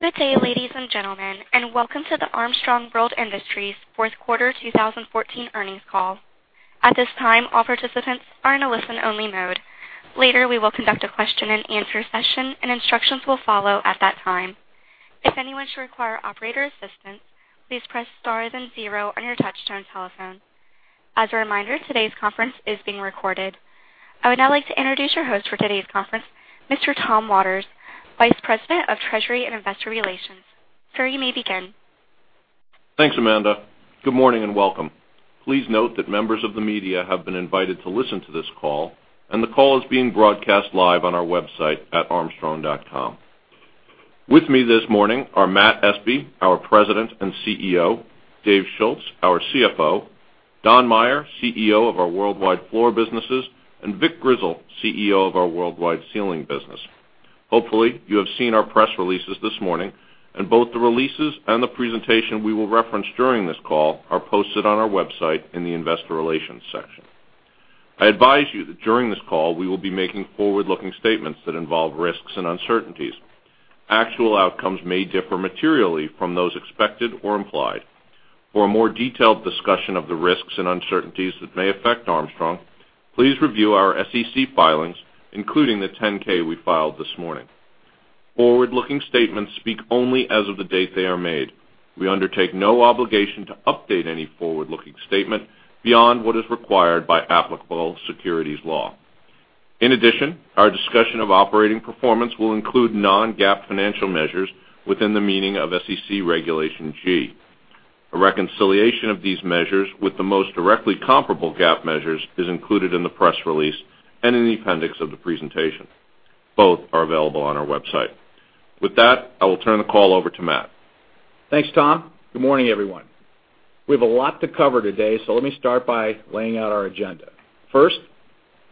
Good day, ladies and gentlemen, and welcome to the Armstrong World Industries fourth quarter 2014 earnings call. At this time, all participants are in a listen-only mode. Later, we will conduct a question-and-answer session, and instructions will follow at that time. If anyone should require operator assistance, please press star then zero on your touch-tone telephone. As a reminder, today's conference is being recorded. I would now like to introduce your host for today's conference, Mr. Tom Waters, Vice President of Treasury and Investor Relations. Sir, you may begin. Thanks, Amanda. Good morning and welcome. Please note that members of the media have been invited to listen to this call. The call is being broadcast live on our website at armstrong.com. With me this morning are Matthew Espe, our President and CEO; Dave Schulz, our CFO; Donald Maier, CEO of our worldwide floor businesses; and Vic Grizzle, CEO of our worldwide ceiling business. Hopefully, you have seen our press releases this morning. Both the releases and the presentation we will reference during this call are posted on our website in the investor relations section. I advise you that during this call, we will be making forward-looking statements that involve risks and uncertainties. Actual outcomes may differ materially from those expected or implied. For a more detailed discussion of the risks and uncertainties that may affect Armstrong, please review our SEC filings, including the 10-K we filed this morning. Forward-looking statements speak only as of the date they are made. We undertake no obligation to update any forward-looking statement beyond what is required by applicable securities law. Our discussion of operating performance will include non-GAAP financial measures within the meaning of SEC Regulation G. A reconciliation of these measures with the most directly comparable GAAP measures is included in the press release and in the appendix of the presentation. Both are available on our website. With that, I will turn the call over to Matt. Thanks, Tom. Good morning, everyone. We have a lot to cover today. Let me start by laying out our agenda. First,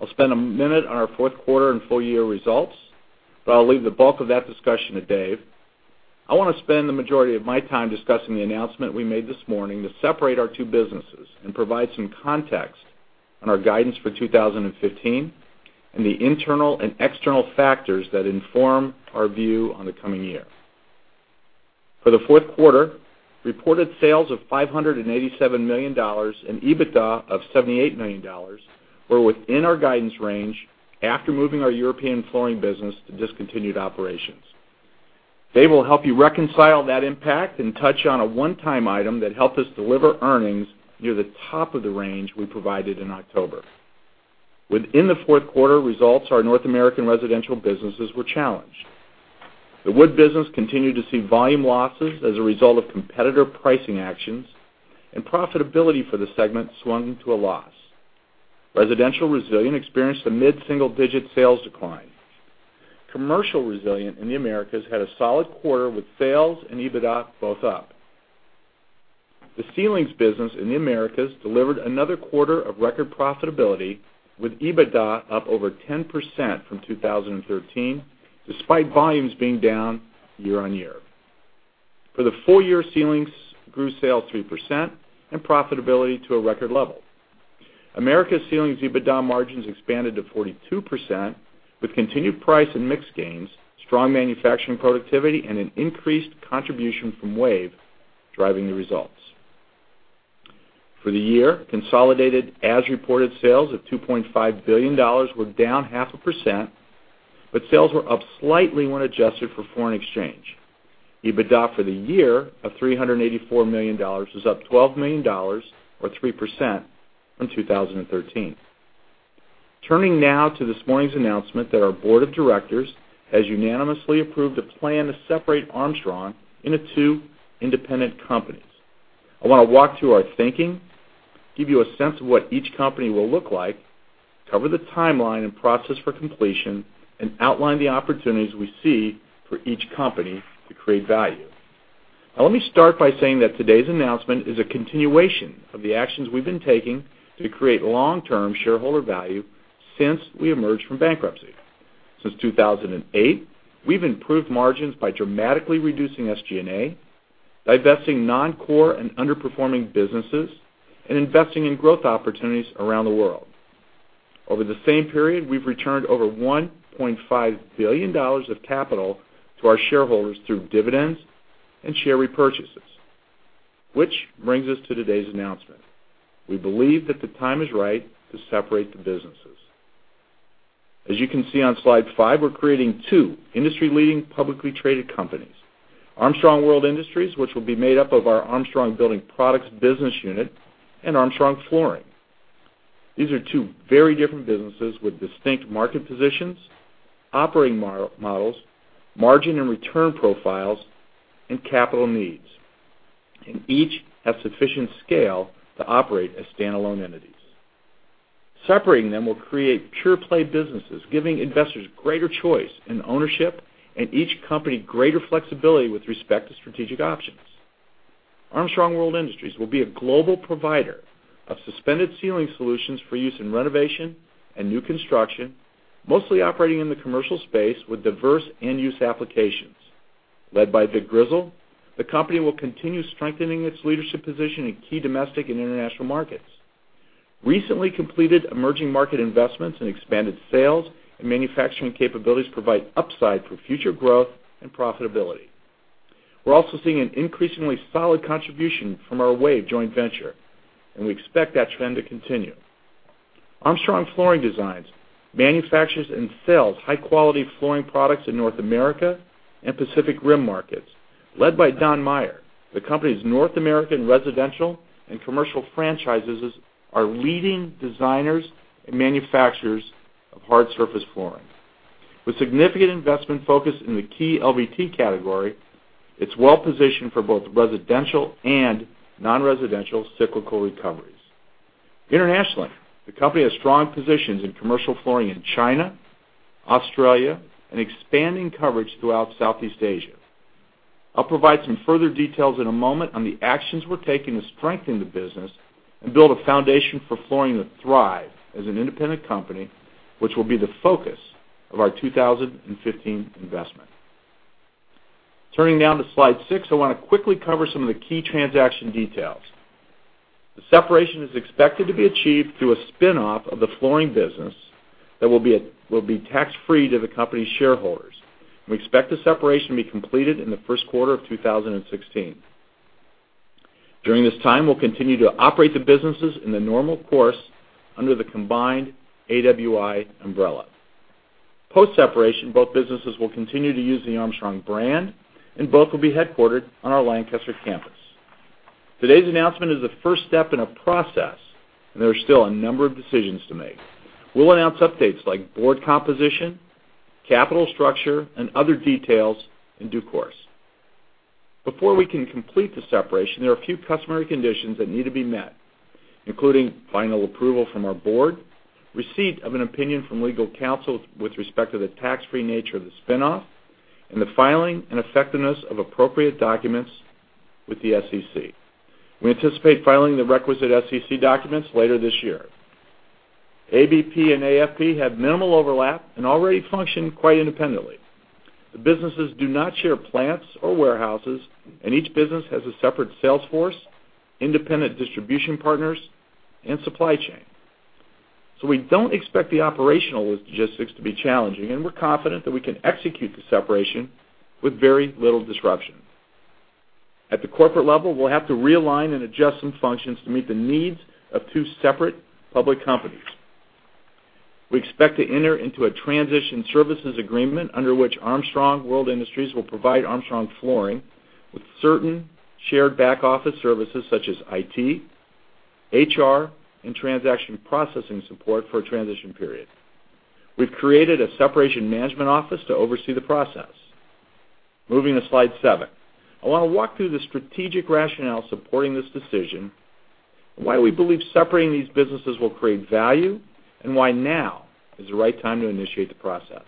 I'll spend a minute on our fourth quarter and full-year results. I'll leave the bulk of that discussion to Dave. I want to spend the majority of my time discussing the announcement we made this morning to separate our two businesses. Provide some context on our guidance for 2015 and the internal and external factors that inform our view on the coming year. For the fourth quarter, reported sales of $587 million and EBITDA of $78 million were within our guidance range after moving our European flooring business to discontinued operations. Dave will help you reconcile that impact and touch on a one-time item that helped us deliver earnings near the top of the range we provided in October. Within the fourth quarter results, our North American residential businesses were challenged. The wood business continued to see volume losses as a result of competitor pricing actions, and profitability for the segment swung to a loss. Residential Resilient experienced a mid-single-digit sales decline. Commercial Resilient in the Americas had a solid quarter with sales and EBITDA both up. The Ceilings business in the Americas delivered another quarter of record profitability, with EBITDA up over 10% from 2013, despite volumes being down year-on-year. For the full year, Ceilings grew sales 3% and profitability to a record level. Americas Ceilings EBITDA margins expanded to 42%, with continued price and mix gains, strong manufacturing productivity, and an increased contribution from WAVE driving the results. For the year, consolidated as-reported sales of $2.5 billion were down half a percent, but sales were up slightly when adjusted for foreign exchange. EBITDA for the year of $384 million was up $12 million, or 3%, from 2013. Turning now to this morning's announcement that our board of directors has unanimously approved a plan to separate Armstrong into two independent companies. I want to walk through our thinking, give you a sense of what each company will look like, cover the timeline and process for completion, and outline the opportunities we see for each company to create value. Let me start by saying that today's announcement is a continuation of the actions we've been taking to create long-term shareholder value since we emerged from bankruptcy. Since 2008, we've improved margins by dramatically reducing SG&A, divesting non-core and underperforming businesses, and investing in growth opportunities around the world. Over the same period, we've returned over $1.5 billion of capital to our shareholders through dividends and share repurchases. Which brings us to today's announcement. We believe that the time is right to separate the businesses. As you can see on slide five, we're creating two industry-leading publicly traded companies. Armstrong World Industries, which will be made up of our Armstrong Building Products business unit, and Armstrong Flooring. These are two very different businesses with distinct market positions, operating models, margin and return profiles, and capital needs, and each has sufficient scale to operate as standalone entities. Separating them will create pure-play businesses, giving investors greater choice in ownership and each company greater flexibility with respect to strategic options. Armstrong World Industries will be a global provider of suspended ceiling solutions for use in renovation and new construction, mostly operating in the commercial space with diverse end-use applications. Led by Vic Grizzle, the company will continue strengthening its leadership position in key domestic and international markets. Recently completed emerging market investments in expanded sales and manufacturing capabilities provide upside for future growth and profitability. We're also seeing an increasingly solid contribution from our WAVE joint venture, and we expect that trend to continue. Armstrong Flooring designs, manufactures, and sells high-quality flooring products in North America and Pacific Rim markets, led by Donald Maier. The company's North American residential and commercial franchises are leading designers and manufacturers of hard surface flooring. With significant investment focus in the key LVT category, it's well-positioned for both residential and non-residential cyclical recoveries. Internationally, the company has strong positions in commercial flooring in China, Australia, and expanding coverage throughout Southeast Asia. I'll provide some further details in a moment on the actions we're taking to strengthen the business and build a foundation for Flooring to thrive as an independent company, which will be the focus of our 2015 investment. Turning now to slide six, I want to quickly cover some of the key transaction details. The separation is expected to be achieved through a spin-off of the Flooring business that will be tax-free to the company's shareholders. We expect the separation to be completed in the first quarter of 2016. During this time, we'll continue to operate the businesses in the normal course under the combined AWI umbrella. Post-separation, both businesses will continue to use the Armstrong brand, and both will be headquartered on our Lancaster campus. Today's announcement is the first step in a process, and there are still a number of decisions to make. We'll announce updates like board composition, capital structure, and other details in due course. Before we can complete the separation, there are a few customary conditions that need to be met, including final approval from our board, receipt of an opinion from legal counsel with respect to the tax-free nature of the spin-off, and the filing and effectiveness of appropriate documents with the SEC. We anticipate filing the requisite SEC documents later this year. ABP and AFP have minimal overlap and already function quite independently. The businesses do not share plants or warehouses, and each business has a separate sales force, independent distribution partners, and supply chain. We don't expect the operational logistics to be challenging, and we're confident that we can execute the separation with very little disruption. At the corporate level, we'll have to realign and adjust some functions to meet the needs of two separate public companies. We expect to enter into a transition services agreement under which Armstrong World Industries will provide Armstrong Flooring with certain shared back-office services such as IT, HR, and transaction processing support for a transition period. We've created a separation management office to oversee the process. Moving to slide seven. I want to walk through the strategic rationale supporting this decision, why we believe separating these businesses will create value, and why now is the right time to initiate the process.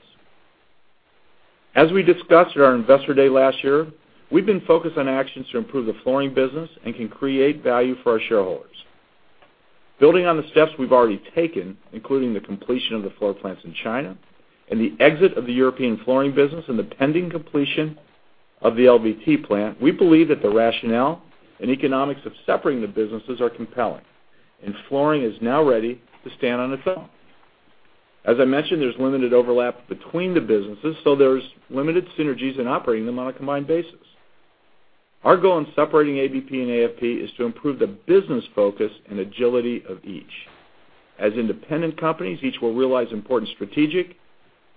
As we discussed at our Investor Day last year, we've been focused on actions to improve the Flooring business and can create value for our shareholders. Building on the steps we've already taken, including the completion of the floor plants in China and the exit of the European Flooring business and the pending completion of the LVT plant, we believe that the rationale and economics of separating the businesses are compelling, and Flooring is now ready to stand on its own. As I mentioned, there's limited overlap between the businesses, so there's limited synergies in operating them on a combined basis. Our goal in separating ABP and AFP is to improve the business focus and agility of each. As independent companies, each will realize important strategic,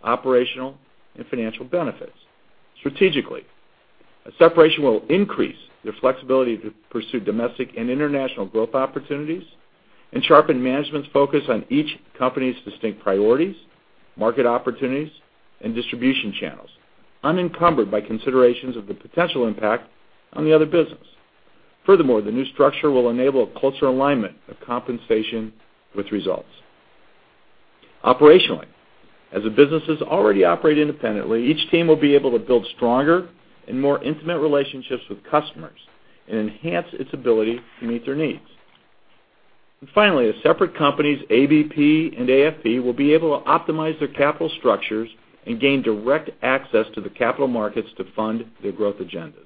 operational, and financial benefits. Strategically, a separation will increase their flexibility to pursue domestic and international growth opportunities and sharpen management's focus on each company's distinct priorities, market opportunities, and distribution channels, unencumbered by considerations of the potential impact on the other business. Furthermore, the new structure will enable a closer alignment of compensation with results. Operationally, as the businesses already operate independently, each team will be able to build stronger and more intimate relationships with customers and enhance its ability to meet their needs. Finally, as separate companies, ABP and AFP will be able to optimize their capital structures and gain direct access to the capital markets to fund their growth agendas.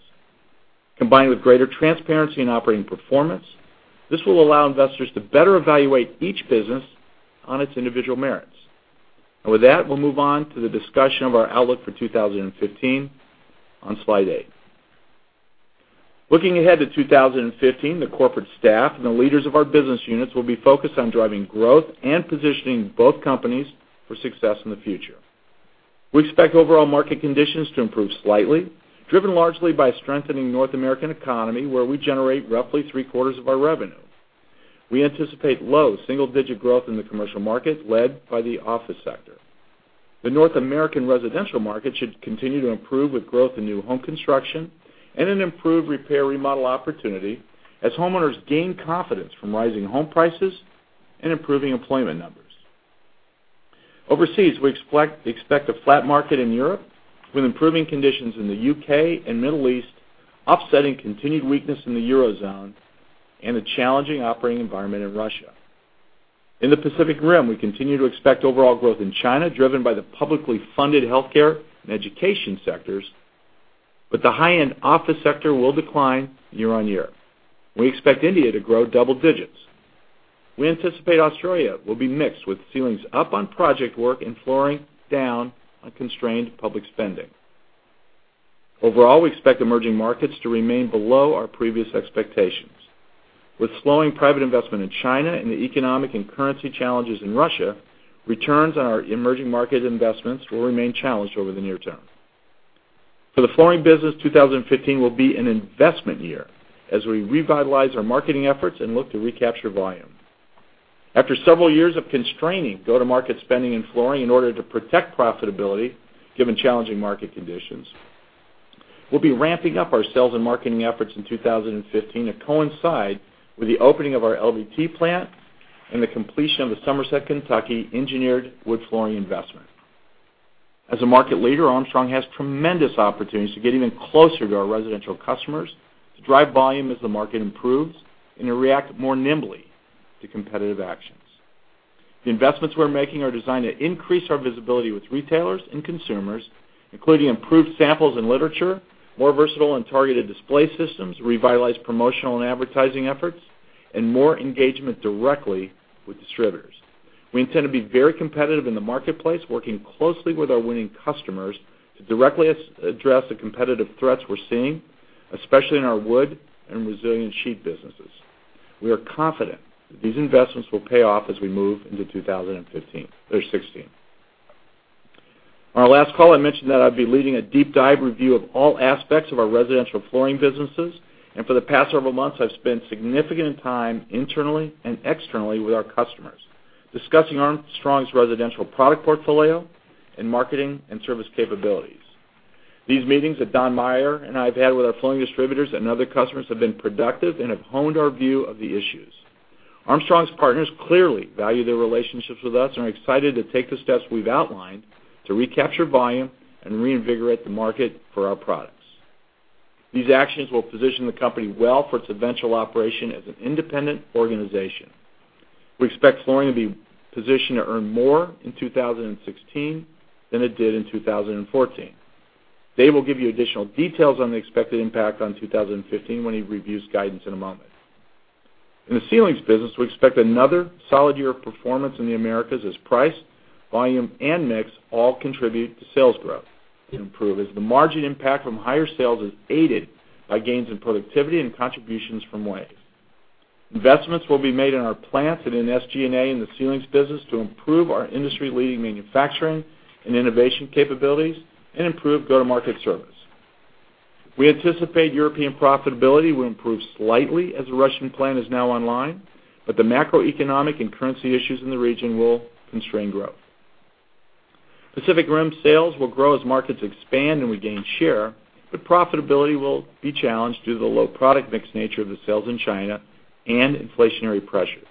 Combined with greater transparency in operating performance, this will allow investors to better evaluate each business on its individual merits. With that, we'll move on to the discussion of our outlook for 2015 on slide eight. Looking ahead to 2015, the corporate staff and the leaders of our business units will be focused on driving growth and positioning both companies for success in the future. We expect overall market conditions to improve slightly, driven largely by a strengthening North American economy, where we generate roughly three-quarters of our revenue. We anticipate low, single-digit growth in the commercial market, led by the office sector. The North American residential market should continue to improve with growth in new home construction and an improved repair/remodel opportunity as homeowners gain confidence from rising home prices and improving employment numbers. Overseas, we expect a flat market in Europe, with improving conditions in the U.K. and Middle East offsetting continued weakness in the Eurozone and a challenging operating environment in Russia. In the Pacific Rim, we continue to expect overall growth in China, driven by the publicly funded healthcare and education sectors. The high-end office sector will decline year-on-year. We expect India to grow double digits. We anticipate Australia will be mixed, with ceilings up on project work and flooring down on constrained public spending. Overall, we expect emerging markets to remain below our previous expectations. With slowing private investment in China and the economic and currency challenges in Russia, returns on our emerging market investments will remain challenged over the near term. For the flooring business, 2015 will be an investment year as we revitalize our marketing efforts and look to recapture volume. After several years of constraining go-to-market spending and flooring in order to protect profitability, given challenging market conditions, we'll be ramping up our sales and marketing efforts in 2015 to coincide with the opening of our LVT plant and the completion of the Somerset, Kentucky, engineered wood flooring investment. As a market leader, Armstrong has tremendous opportunities to get even closer to our residential customers, to drive volume as the market improves, and to react more nimbly to competitive actions. The investments we're making are designed to increase our visibility with retailers and consumers, including improved samples and literature, more versatile and targeted display systems, revitalized promotional and advertising efforts, and more engagement directly with distributors. We intend to be very competitive in the marketplace, working closely with our winning customers to directly address the competitive threats we're seeing, especially in our wood and Resilient sheet businesses. We are confident that these investments will pay off as we move into 2016. On our last call, I mentioned that I'd be leading a deep dive review of all aspects of our residential flooring businesses. For the past several months, I've spent significant time internally and externally with our customers, discussing Armstrong's residential product portfolio and marketing and service capabilities. These meetings that Donald Maier and I have had with our flooring distributors and other customers have been productive and have honed our view of the issues. Armstrong's partners clearly value their relationships with us and are excited to take the steps we've outlined to recapture volume and reinvigorate the market for our products. These actions will position the company well for its eventual operation as an independent organization. We expect flooring to be positioned to earn more in 2016 than it did in 2014. Dave will give you additional details on the expected impact on 2015 when he reviews guidance in a moment. In the ceilings business, we expect another solid year of performance in the Americas as price, volume, and mix all contribute to sales growth to improve, as the margin impact from higher sales is aided by gains in productivity and contributions from WAVE. Investments will be made in our plants and in SG&A in the ceilings business to improve our industry-leading manufacturing and innovation capabilities and improve go-to-market service. We anticipate European profitability will improve slightly as the Russian plant is now online, the macroeconomic and currency issues in the region will constrain growth. Pacific Rim sales will grow as markets expand and we gain share, profitability will be challenged due to the low product mix nature of the sales in China and inflationary pressures.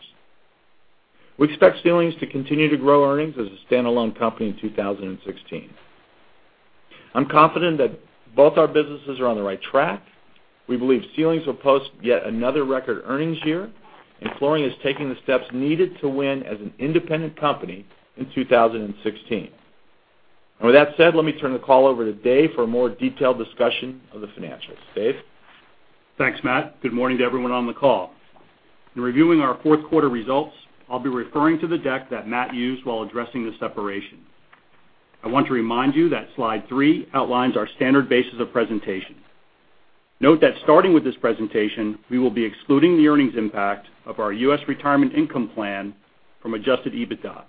We expect ceilings to continue to grow earnings as a standalone company in 2016. I'm confident that both our businesses are on the right track. We believe ceilings will post yet another record earnings year, flooring is taking the steps needed to win as an independent company in 2016. With that said, let me turn the call over to Dave for a more detailed discussion of the financials. Dave? Thanks, Matt. Good morning to everyone on the call. In reviewing our fourth quarter results, I'll be referring to the deck that Matt used while addressing the separation. I want to remind you that slide three outlines our standard basis of presentation. Note that starting with this presentation, we will be excluding the earnings impact of our U.S. retirement income plan from adjusted EBITDA.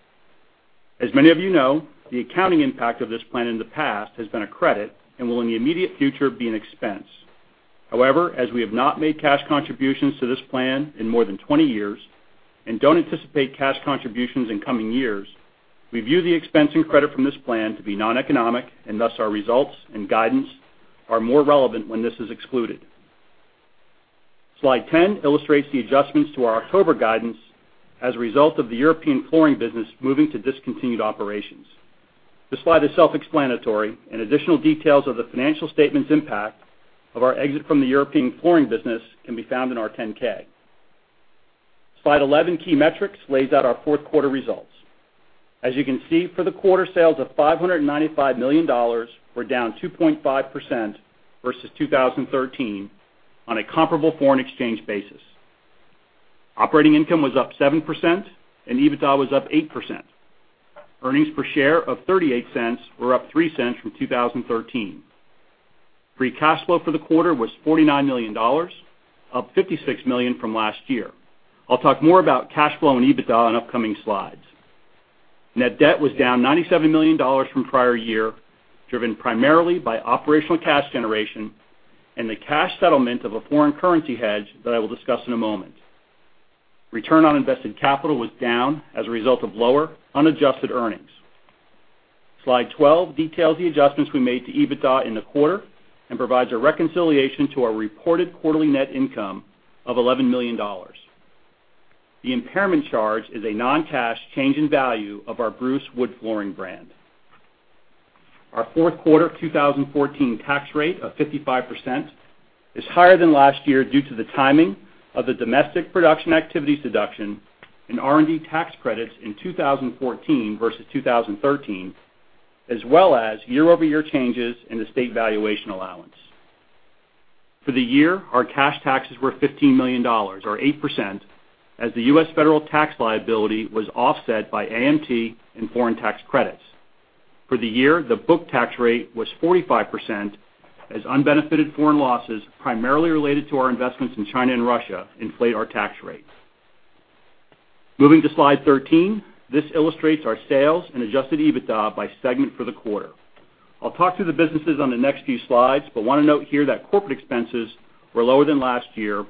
As many of you know, the accounting impact of this plan in the past has been a credit and will, in the immediate future, be an expense. As we have not made cash contributions to this plan in more than 20 years and don't anticipate cash contributions in coming years, we view the expense and credit from this plan to be non-economic, our results and guidance are more relevant when this is excluded. Slide 10 illustrates the adjustments to our October guidance as a result of the European flooring business moving to discontinued operations. This slide is self-explanatory, and additional details of the financial statement's impact of our exit from the European flooring business can be found in our 10-K. Slide 11, Key Metrics, lays out our fourth quarter results. As you can see, for the quarter, sales of $595 million were down 2.5% versus 2013 on a comparable foreign exchange basis. Operating income was up 7%, and EBITDA was up 8%. Earnings per share of $0.38 were up $0.03 from 2013. Free cash flow for the quarter was $49 million, up $56 million from last year. I'll talk more about cash flow and EBITDA on upcoming slides. Net debt was down $97 million from prior year, driven primarily by operational cash generation and the cash settlement of a foreign currency hedge that I will discuss in a moment. Return on invested capital was down as a result of lower unadjusted earnings. Slide 12 details the adjustments we made to EBITDA in the quarter and provides a reconciliation to our reported quarterly net income of $11 million. The impairment charge is a non-cash change in value of our Bruce wood flooring brand. Our fourth quarter of 2014 tax rate of 55% is higher than last year due to the timing of the domestic production activities deduction and R&D tax credits in 2014 versus 2013, as well as year-over-year changes in the state valuation allowance. For the year, our cash taxes were $15 million, or 8%, as the U.S. federal tax liability was offset by AMT and foreign tax credits. For the year, the book tax rate was 45% as unbenefited foreign losses, primarily related to our investments in China and Russia, inflate our tax rate. Moving to Slide 13. This illustrates our sales and adjusted EBITDA by segment for the quarter. I'll talk through the businesses on the next few slides, but want to note here that corporate expenses were lower than last year,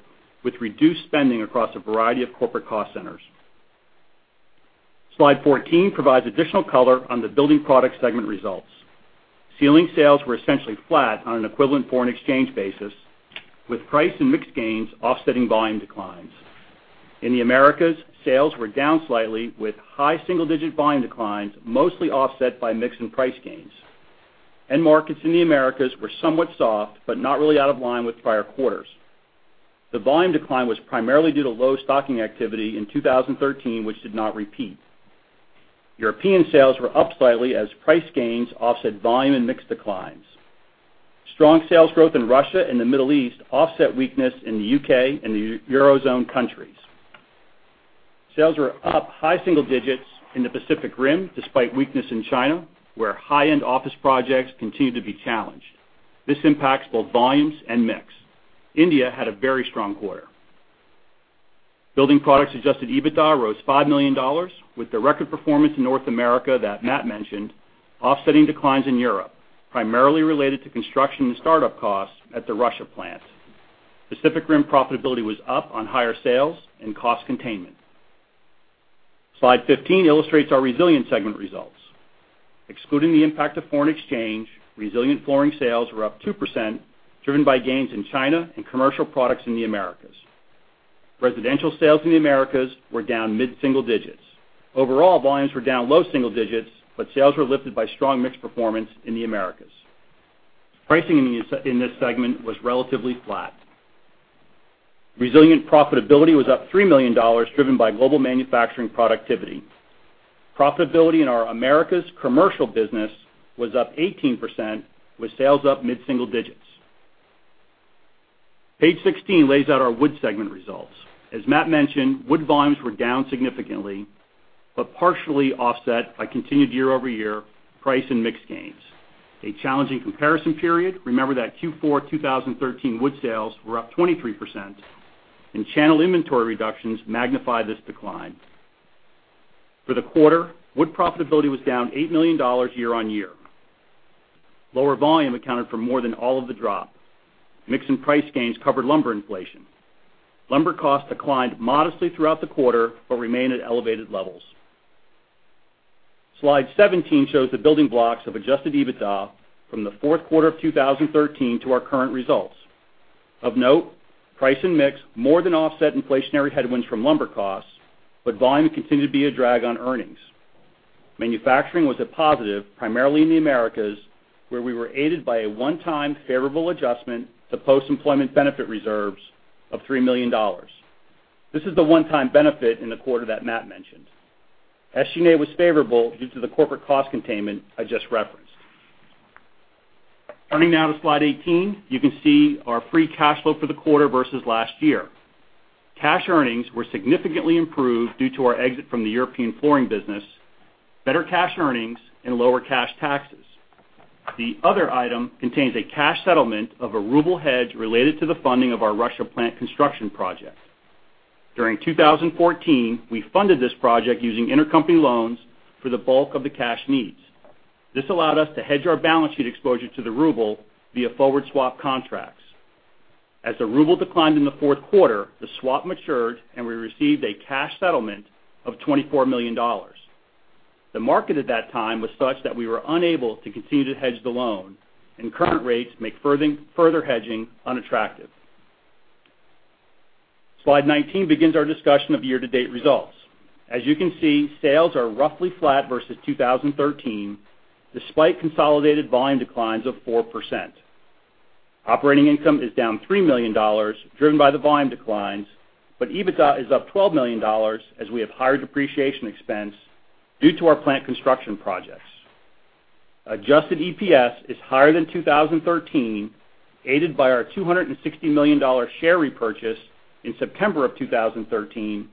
with reduced spending across a variety of corporate cost centers. Slide 14 provides additional color on the Building Products segment results. Ceiling sales were essentially flat on an equivalent foreign exchange basis, with price and mix gains offsetting volume declines. In the Americas, sales were down slightly, with high single-digit volume declines, mostly offset by mix and price gains. End markets in the Americas were somewhat soft, but not really out of line with prior quarters. The volume decline was primarily due to low stocking activity in 2013, which did not repeat. European sales were up slightly as price gains offset volume and mix declines. Strong sales growth in Russia and the Middle East offset weakness in the U.K. and the Eurozone countries. Sales were up high single-digits in the Pacific Rim, despite weakness in China, where high-end office projects continue to be challenged. This impacts both volumes and mix. India had a very strong quarter. Building Products adjusted EBITDA rose $5 million, with the record performance in North America that Matt mentioned offsetting declines in Europe, primarily related to construction and startup costs at the Russia plant. Pacific Rim profitability was up on higher sales and cost containment. Slide 15 illustrates our Resilient segment results. Excluding the impact of foreign exchange, Resilient flooring sales were up 2%, driven by gains in China and commercial products in the Americas. Residential sales in the Americas were down mid-single digits. Overall, volumes were down low single digits, but sales were lifted by strong mix performance in the Americas. Pricing in this segment was relatively flat. Resilient profitability was up $3 million, driven by global manufacturing productivity. Profitability in our Americas commercial business was up 18%, with sales up mid-single digits. Page 16 lays out our Wood segment results. As Matt mentioned, Wood volumes were down significantly, but partially offset by continued year-over-year price and mix gains. A challenging comparison period, remember that Q4 2013 Wood sales were up 23%, and channel inventory reductions magnified this decline. For the quarter, Wood profitability was down $8 million year-on-year. Lower volume accounted for more than all of the drop. Mix and price gains covered lumber inflation. Lumber costs declined modestly throughout the quarter, but remain at elevated levels. Slide 17 shows the building blocks of adjusted EBITDA from the fourth quarter of 2013 to our current results. Of note, price and mix more than offset inflationary headwinds from lumber costs, but volume continued to be a drag on earnings. Manufacturing was a positive, primarily in the Americas, where we were aided by a one-time favorable adjustment to post-employment benefit reserves of $3 million. This is the one-time benefit in the quarter that Matt mentioned. SG&A was favorable due to the corporate cost containment I just referenced. Turning now to Slide 18, you can see our free cash flow for the quarter versus last year. Cash earnings were significantly improved due to our exit from the European flooring business, better cash earnings, and lower cash taxes. The other item contains a cash settlement of a ruble hedge related to the funding of our Russia plant construction project. During 2014, we funded this project using intercompany loans for the bulk of the cash needs. This allowed us to hedge our balance sheet exposure to the ruble via forward swap contracts. As the ruble declined in the fourth quarter, the swap matured, and we received a cash settlement of $24 million. The market at that time was such that we were unable to continue to hedge the loan, and current rates make further hedging unattractive. Slide 19 begins our discussion of year-to-date results. As you can see, sales are roughly flat versus 2013, despite consolidated volume declines of 4%. Operating income is down $3 million, driven by the volume declines, but EBITDA is up $12 million, as we have higher depreciation expense due to our plant construction projects. Adjusted EPS is higher than 2013, aided by our $260 million share repurchase in September of 2013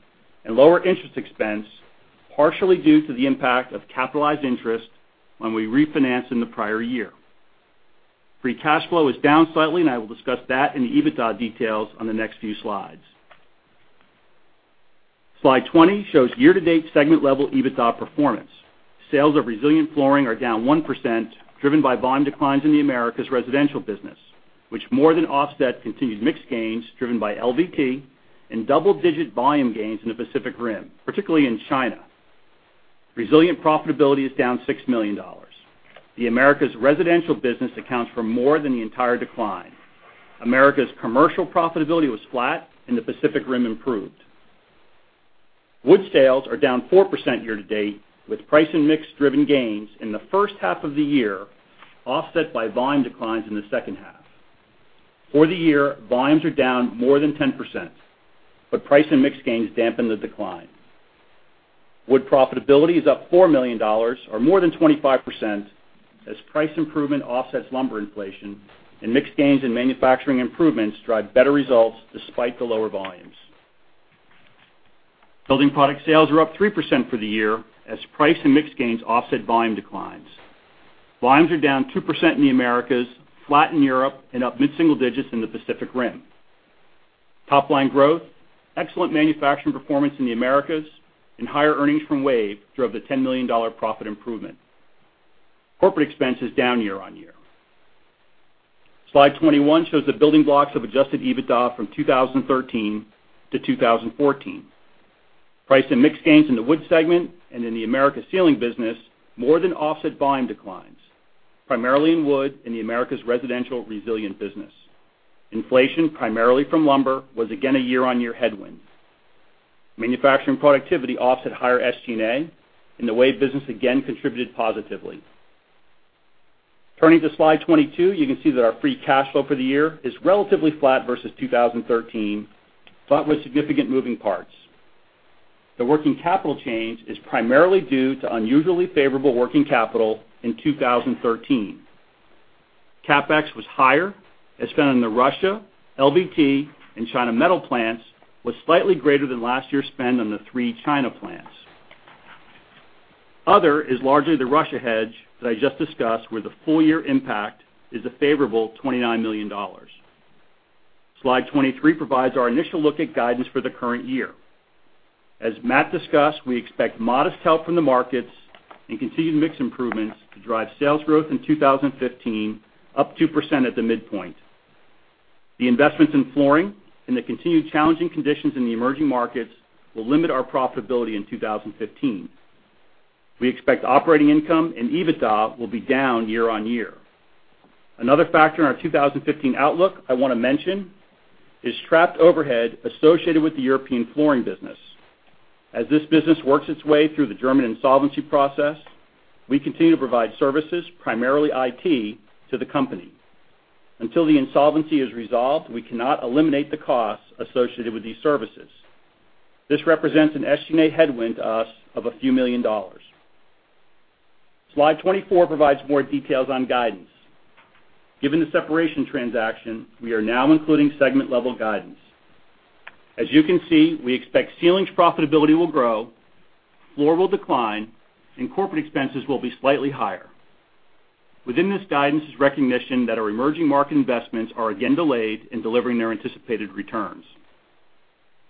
and lower interest expense, partially due to the impact of capitalized interest when we refinanced in the prior year. Free cash flow is down slightly, and I will discuss that in the EBITDA details on the next few slides. Slide 20 shows year-to-date segment-level EBITDA performance. Sales of Resilient flooring are down 1%, driven by volume declines in the Americas residential business, which more than offset continued mix gains driven by LVP and double-digit volume gains in the Pacific Rim, particularly in China. Resilient profitability is down $6 million. The Americas residential business accounts for more than the entire decline. Americas commercial profitability was flat, and the Pacific Rim improved. Wood sales are down 4% year-to-date, with price and mix-driven gains in the first half of the year offset by volume declines in the second half. For the year, volumes are down more than 10%, but price and mix gains dampen the decline. Wood profitability is up $4 million, or more than 25%, as price improvement offsets lumber inflation, and mix gains and manufacturing improvements drive better results despite the lower volumes. Building Products sales are up 3% for the year as price and mix gains offset volume declines. Volumes are down 2% in the Americas, flat in Europe, and up mid-single digits in the Pacific Rim. Top-line growth, excellent manufacturing performance in the Americas, and higher earnings from WAVE drove the $10 million profit improvement. Corporate expense is down year-on-year. Slide 21 shows the building blocks of adjusted EBITDA from 2013 to 2014. Price and mix gains in the wood segment and in the Americas Building Products business more than offset volume declines, primarily in wood in the Americas residential Resilient business. Inflation, primarily from lumber, was again a year-on-year headwind. Manufacturing productivity offset higher SG&A, and the WAVE business again contributed positively. Turning to Slide 22, you can see that our free cash flow for the year is relatively flat versus 2013, but with significant moving parts. The working capital change is primarily due to unusually favorable working capital in 2013. CapEx was higher as spend in the Russia, LVT, and China metal plants was slightly greater than last year's spend on the three China plants. Other is largely the Russia hedge that I just discussed, where the full-year impact is a favorable $29 million. Slide 23 provides our initial look at guidance for the current year. As Matt discussed, we expect modest help from the markets and continued mix improvements to drive sales growth in 2015 up 2% at the midpoint. The investments in flooring and the continued challenging conditions in the emerging markets will limit our profitability in 2015. We expect operating income and EBITDA will be down year-on-year. Another factor in our 2015 outlook I want to mention is trapped overhead associated with the European flooring business. As this business works its way through the German insolvency process, we continue to provide services, primarily IT, to the company. Until the insolvency is resolved, we cannot eliminate the costs associated with these services. This represents an SG&A headwind to us of a few million dollars. Slide 24 provides more details on guidance. Given the separation transaction, we are now including segment-level guidance. As you can see, we expect Building Products profitability will grow, Flooring will decline, and corporate expenses will be slightly higher. Within this guidance is recognition that our emerging market investments are again delayed in delivering their anticipated returns.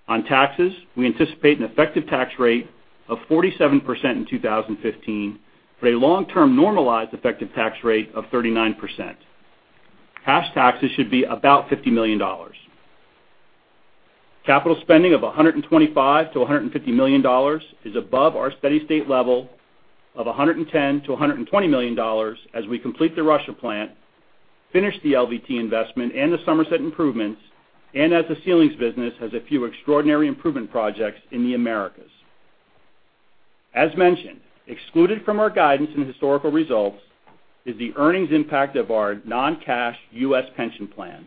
On taxes, we anticipate an effective tax rate of 47% in 2015, with a long-term normalized effective tax rate of 39%. Cash taxes should be about $50 million. Capital spending of $125 million-$150 million is above our steady-state level of $110 million-$120 million as we complete the Russia plant, finish the LVT investment and the Somerset improvements, and as the Building Products business has a few extraordinary improvement projects in the Americas. As mentioned, excluded from our guidance and historical results is the earnings impact of our non-cash U.S. pension plan.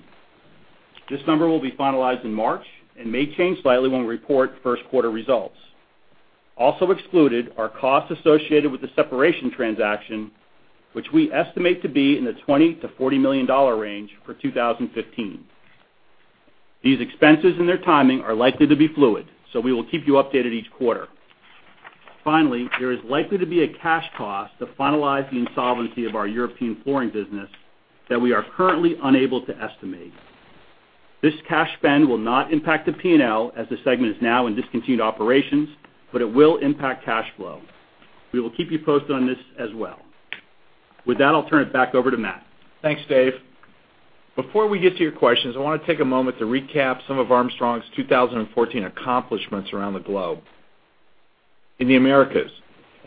This number will be finalized in March and may change slightly when we report first-quarter results. Also excluded are costs associated with the separation transaction, which we estimate to be in the $20 million to $40 million range for 2015. These expenses and their timing are likely to be fluid, so we will keep you updated each quarter. Finally, there is likely to be a cash cost to finalize the insolvency of our European flooring business that we are currently unable to estimate. This cash spend will not impact the P&L, as the segment is now in discontinued operations, but it will impact cash flow. We will keep you posted on this as well. With that, I'll turn it back over to Matt. Thanks, Dave. Before we get to your questions, I want to take a moment to recap some of Armstrong's 2014 accomplishments around the globe. In the Americas,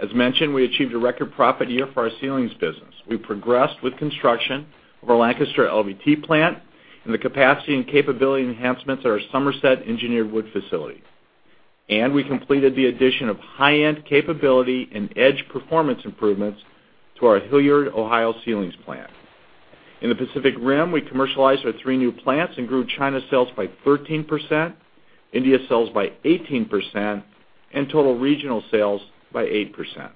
as mentioned, we achieved a record profit year for our ceilings business. We progressed with construction of our Lancaster LVT plant and the capacity and capability enhancements at our Somerset engineered wood facility. We completed the addition of high-end capability and edge performance improvements to our Hilliard, Ohio, ceilings plant. In the Pacific Rim, we commercialized our three new plants and grew China sales by 13%, India sales by 18%, and total regional sales by 8%.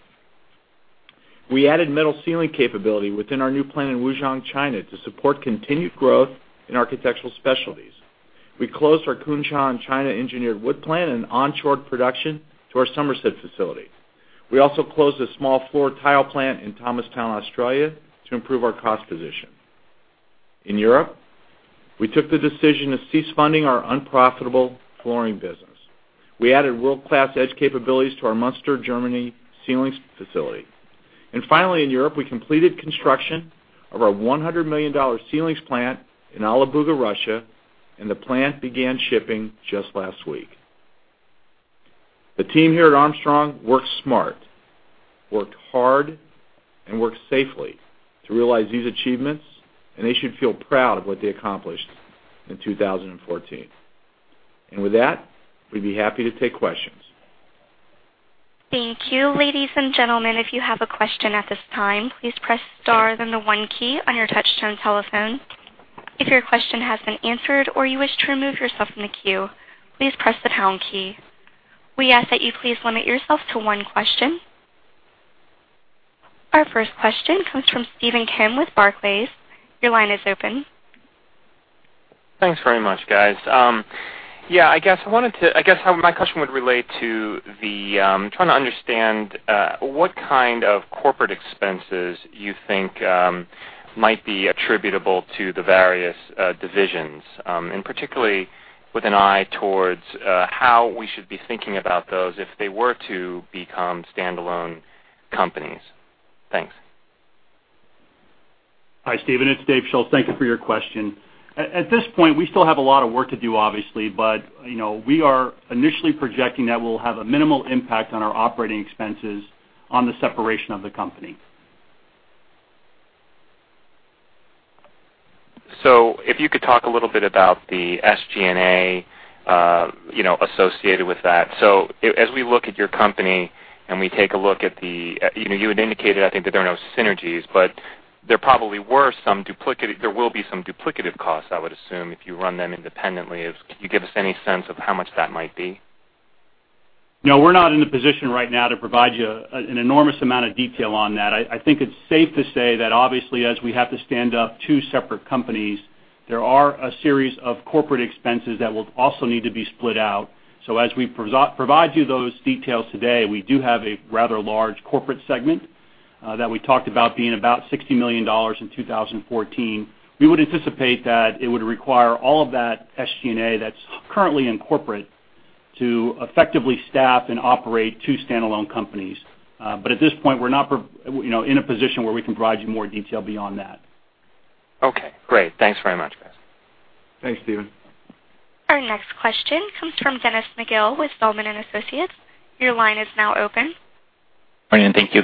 We added metal ceiling capability within our new plant in Wuxi, China, to support continued growth in architectural specialties. We closed our Kunshan, China, engineered wood plant and onshored production to our Somerset facility. We also closed a small floor tile plant in Thomastown, Australia, to improve our cost position. In Europe, we took the decision to cease funding our unprofitable flooring business. We added world-class edge capabilities to our Muenster, Germany, ceilings facility. Finally, in Europe, we completed construction of our $100 million ceilings plant in Alabuga, Russia, and the plant began shipping just last week. The team here at Armstrong works smart, worked hard and worked safely to realize these achievements, and they should feel proud of what they accomplished in 2014. With that, we'd be happy to take questions. Thank you. Ladies and gentlemen, if you have a question at this time, please press star, then the one key on your touch-tone telephone. If your question has been answered or you wish to remove yourself from the queue, please press the pound key. We ask that you please limit yourself to one question. Our first question comes from Stephen Kim with Barclays. Your line is open. Thanks very much, guys. Yeah, I guess my question would relate to the trying to understand what kind of corporate expenses you think might be attributable to the various divisions, and particularly with an eye towards how we should be thinking about those if they were to become standalone companies. Thanks. Hi, Stephen. It's Dave Schulz. Thank you for your question. At this point, we still have a lot of work to do, obviously. We are initially projecting that we'll have a minimal impact on our operating expenses on the separation of the company. If you could talk a little bit about the SG&A associated with that. As we look at your company, you had indicated, I think that there are no synergies, there will be some duplicative costs, I would assume, if you run them independently. Can you give us any sense of how much that might be? No, we're not in a position right now to provide you an enormous amount of detail on that. I think it's safe to say that obviously, as we have to stand up two separate companies, there are a series of corporate expenses that will also need to be split out. As we provide you those details today, we do have a rather large corporate segment that we talked about being about $60 million in 2014. We would anticipate that it would require all of that SG&A that's currently in corporate to effectively staff and operate two standalone companies. At this point, we're not in a position where we can provide you more detail beyond that. Okay, great. Thanks very much, guys. Thanks, Stephen. Our next question comes from Dennis McGill with Thompson Research Group. Your line is now open. Morning. Thank you.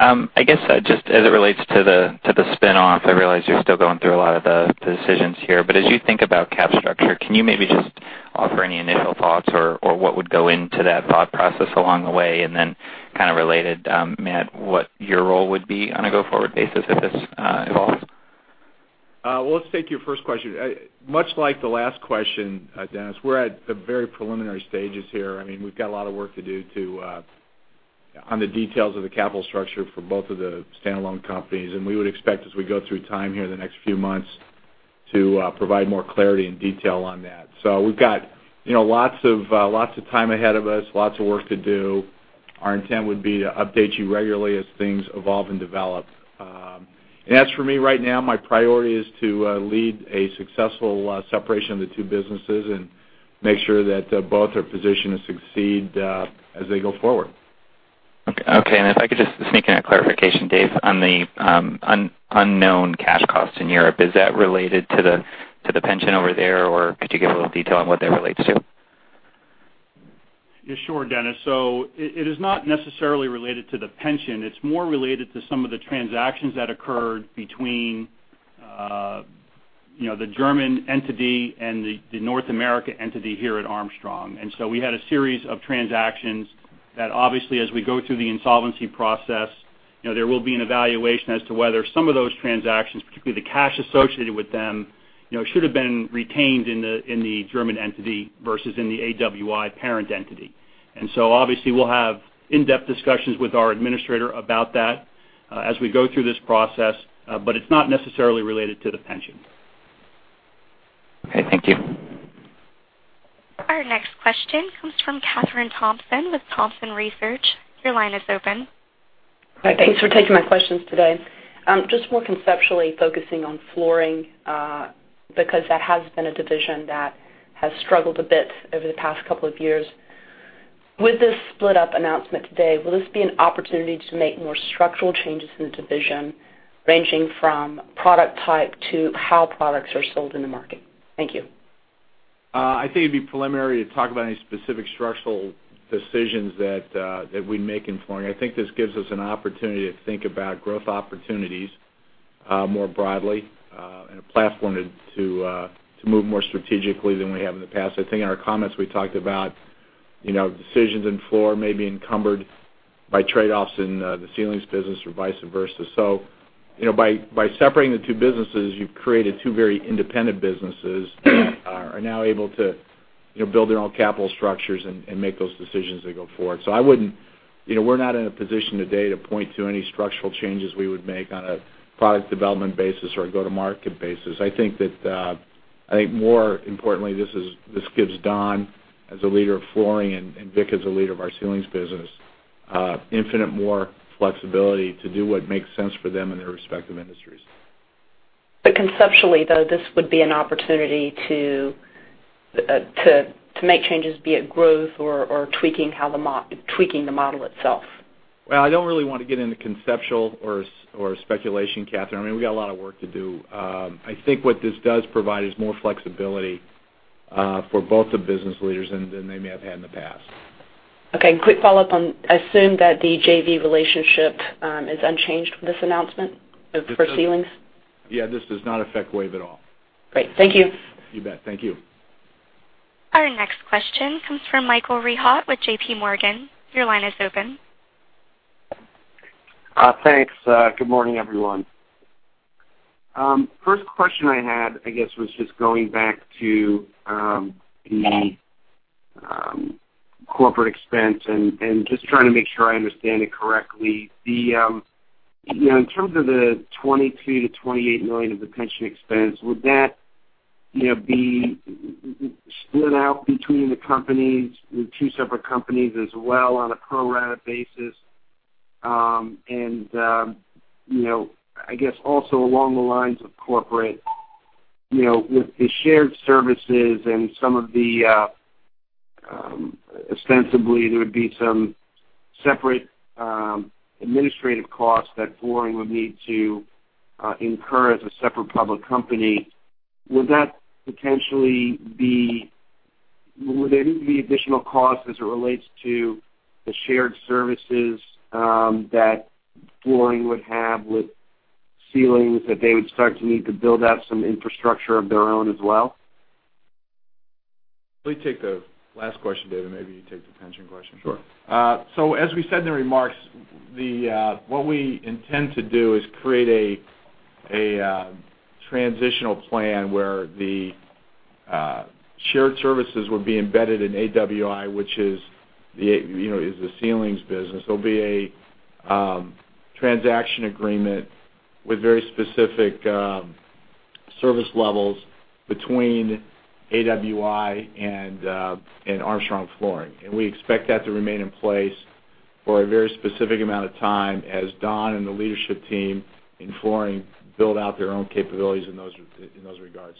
I guess, just as it relates to the spin-off, I realize you're still going through a lot of the decisions here, but as you think about cap structure, can you maybe just offer any initial thoughts or what would go into that thought process along the way? Then kind of related, Matt, what your role would be on a go-forward basis if this evolves? Well, let's take your first question. Much like the last question, Dennis, we're at the very preliminary stages here. We've got a lot of work to do on the details of the capital structure for both of the standalone companies, and we would expect as we go through time here in the next few months to provide more clarity and detail on that. We've got lots of time ahead of us, lots of work to do. Our intent would be to update you regularly as things evolve and develop. As for me right now, my priority is to lead a successful separation of the two businesses and make sure that both are positioned to succeed as they go forward. Okay. If I could just sneak in a clarification, Dave, on the unknown cash costs in Europe. Is that related to the pension over there, or could you give a little detail on what that relates to? Yeah, sure, Dennis. It is not necessarily related to the pension. It's more related to some of the transactions that occurred between the German entity and the North America entity here at Armstrong. We had a series of transactions that obviously, as we go through the insolvency process, there will be an evaluation as to whether some of those transactions, particularly the cash associated with them, should have been retained in the German entity versus in the AWI parent entity. Obviously, we'll have in-depth discussions with our administrator about that as we go through this process. It's not necessarily related to the pension. Okay, thank you. Our next question comes from Kathryn Thompson with Thompson Research. Your line is open. Thanks for taking my questions today. Just more conceptually focusing on flooring, because that has been a division that has struggled a bit over the past couple of years. With this split-up announcement today, will this be an opportunity to make more structural changes in the division, ranging from product type to how products are sold in the market? Thank you. I think it'd be preliminary to talk about any specific structural decisions that we make in flooring. I think this gives us an opportunity to think about growth opportunities more broadly, and a platform to move more strategically than we have in the past. I think in our comments, we talked about decisions in floor maybe encumbered by trade-offs in the ceilings business or vice versa. By separating the two businesses, you've created two very independent businesses that are now able to build their own capital structures and make those decisions as they go forward. We're not in a position today to point to any structural changes we would make on a product development basis or a go-to-market basis. I think more importantly, this gives Don, as the leader of flooring, and Vic as the leader of our ceilings business, infinite more flexibility to do what makes sense for them in their respective industries. Conceptually, though, this would be an opportunity to make changes, be it growth or tweaking the model itself. I don't really want to get into conceptual or speculation, Kathryn. We got a lot of work to do. I think what this does provide is more flexibility for both the business leaders than they may have had in the past. Okay. Quick follow-up on, I assume that the JV relationship is unchanged with this announcement for ceilings? Yeah. This does not affect WAVE at all. Great. Thank you. You bet. Thank you. Our next question comes from Michael Rehaut with J.P. Morgan. Your line is open. Thanks. Good morning, everyone. First question I had, I guess, was just going back to the corporate expense and just trying to make sure I understand it correctly. In terms of the $22 million-$28 million of the pension expense, would that be split out between the companies, the two separate companies as well on a pro rata basis? I guess also along the lines of corporate, with the shared services and ostensibly there would be some separate administrative costs that flooring would need to incur as a separate public company. Would there need to be additional costs as it relates to the shared services that flooring would have with ceilings, that they would start to need to build out some infrastructure of their own as well? Let me take the last question, Dave. Maybe you take the pension question. Sure. As we said in the remarks, what we intend to do is create a transitional plan where the shared services would be embedded in AWI, which is the Ceilings business. There will be a transaction agreement with very specific service levels between AWI and Armstrong Flooring. We expect that to remain in place for a very specific amount of time as Don and the leadership team in Flooring build out their own capabilities in those regards.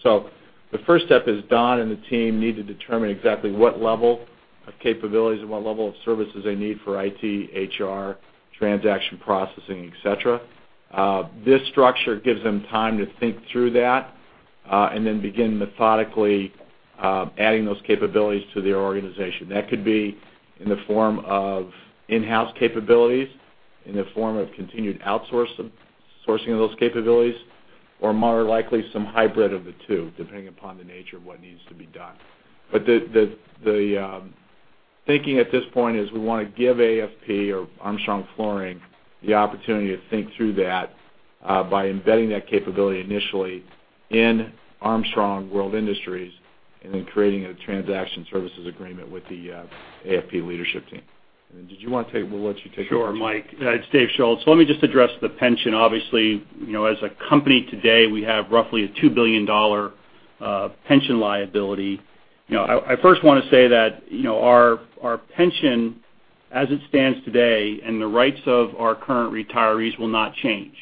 The first step is Don and the team need to determine exactly what level of capabilities and what level of services they need for IT, HR, transaction processing, et cetera. This structure gives them time to think through that, and then begin methodically adding those capabilities to their organization. That could be in the form of in-house capabilities, in the form of continued outsourcing of those capabilities, or more likely, some hybrid of the two, depending upon the nature of what needs to be done. The thinking at this point is we want to give AFP or Armstrong Flooring the opportunity to think through that by embedding that capability initially in Armstrong World Industries, and then creating a transaction services agreement with the AFP leadership team. Did you want to take, we will let you take it. Sure, Mike. It is Dave Schulz. Let me just address the pension. Obviously, as a company today, we have roughly a $2 billion pension liability. I first want to say that our pension as it stands today and the rights of our current retirees will not change.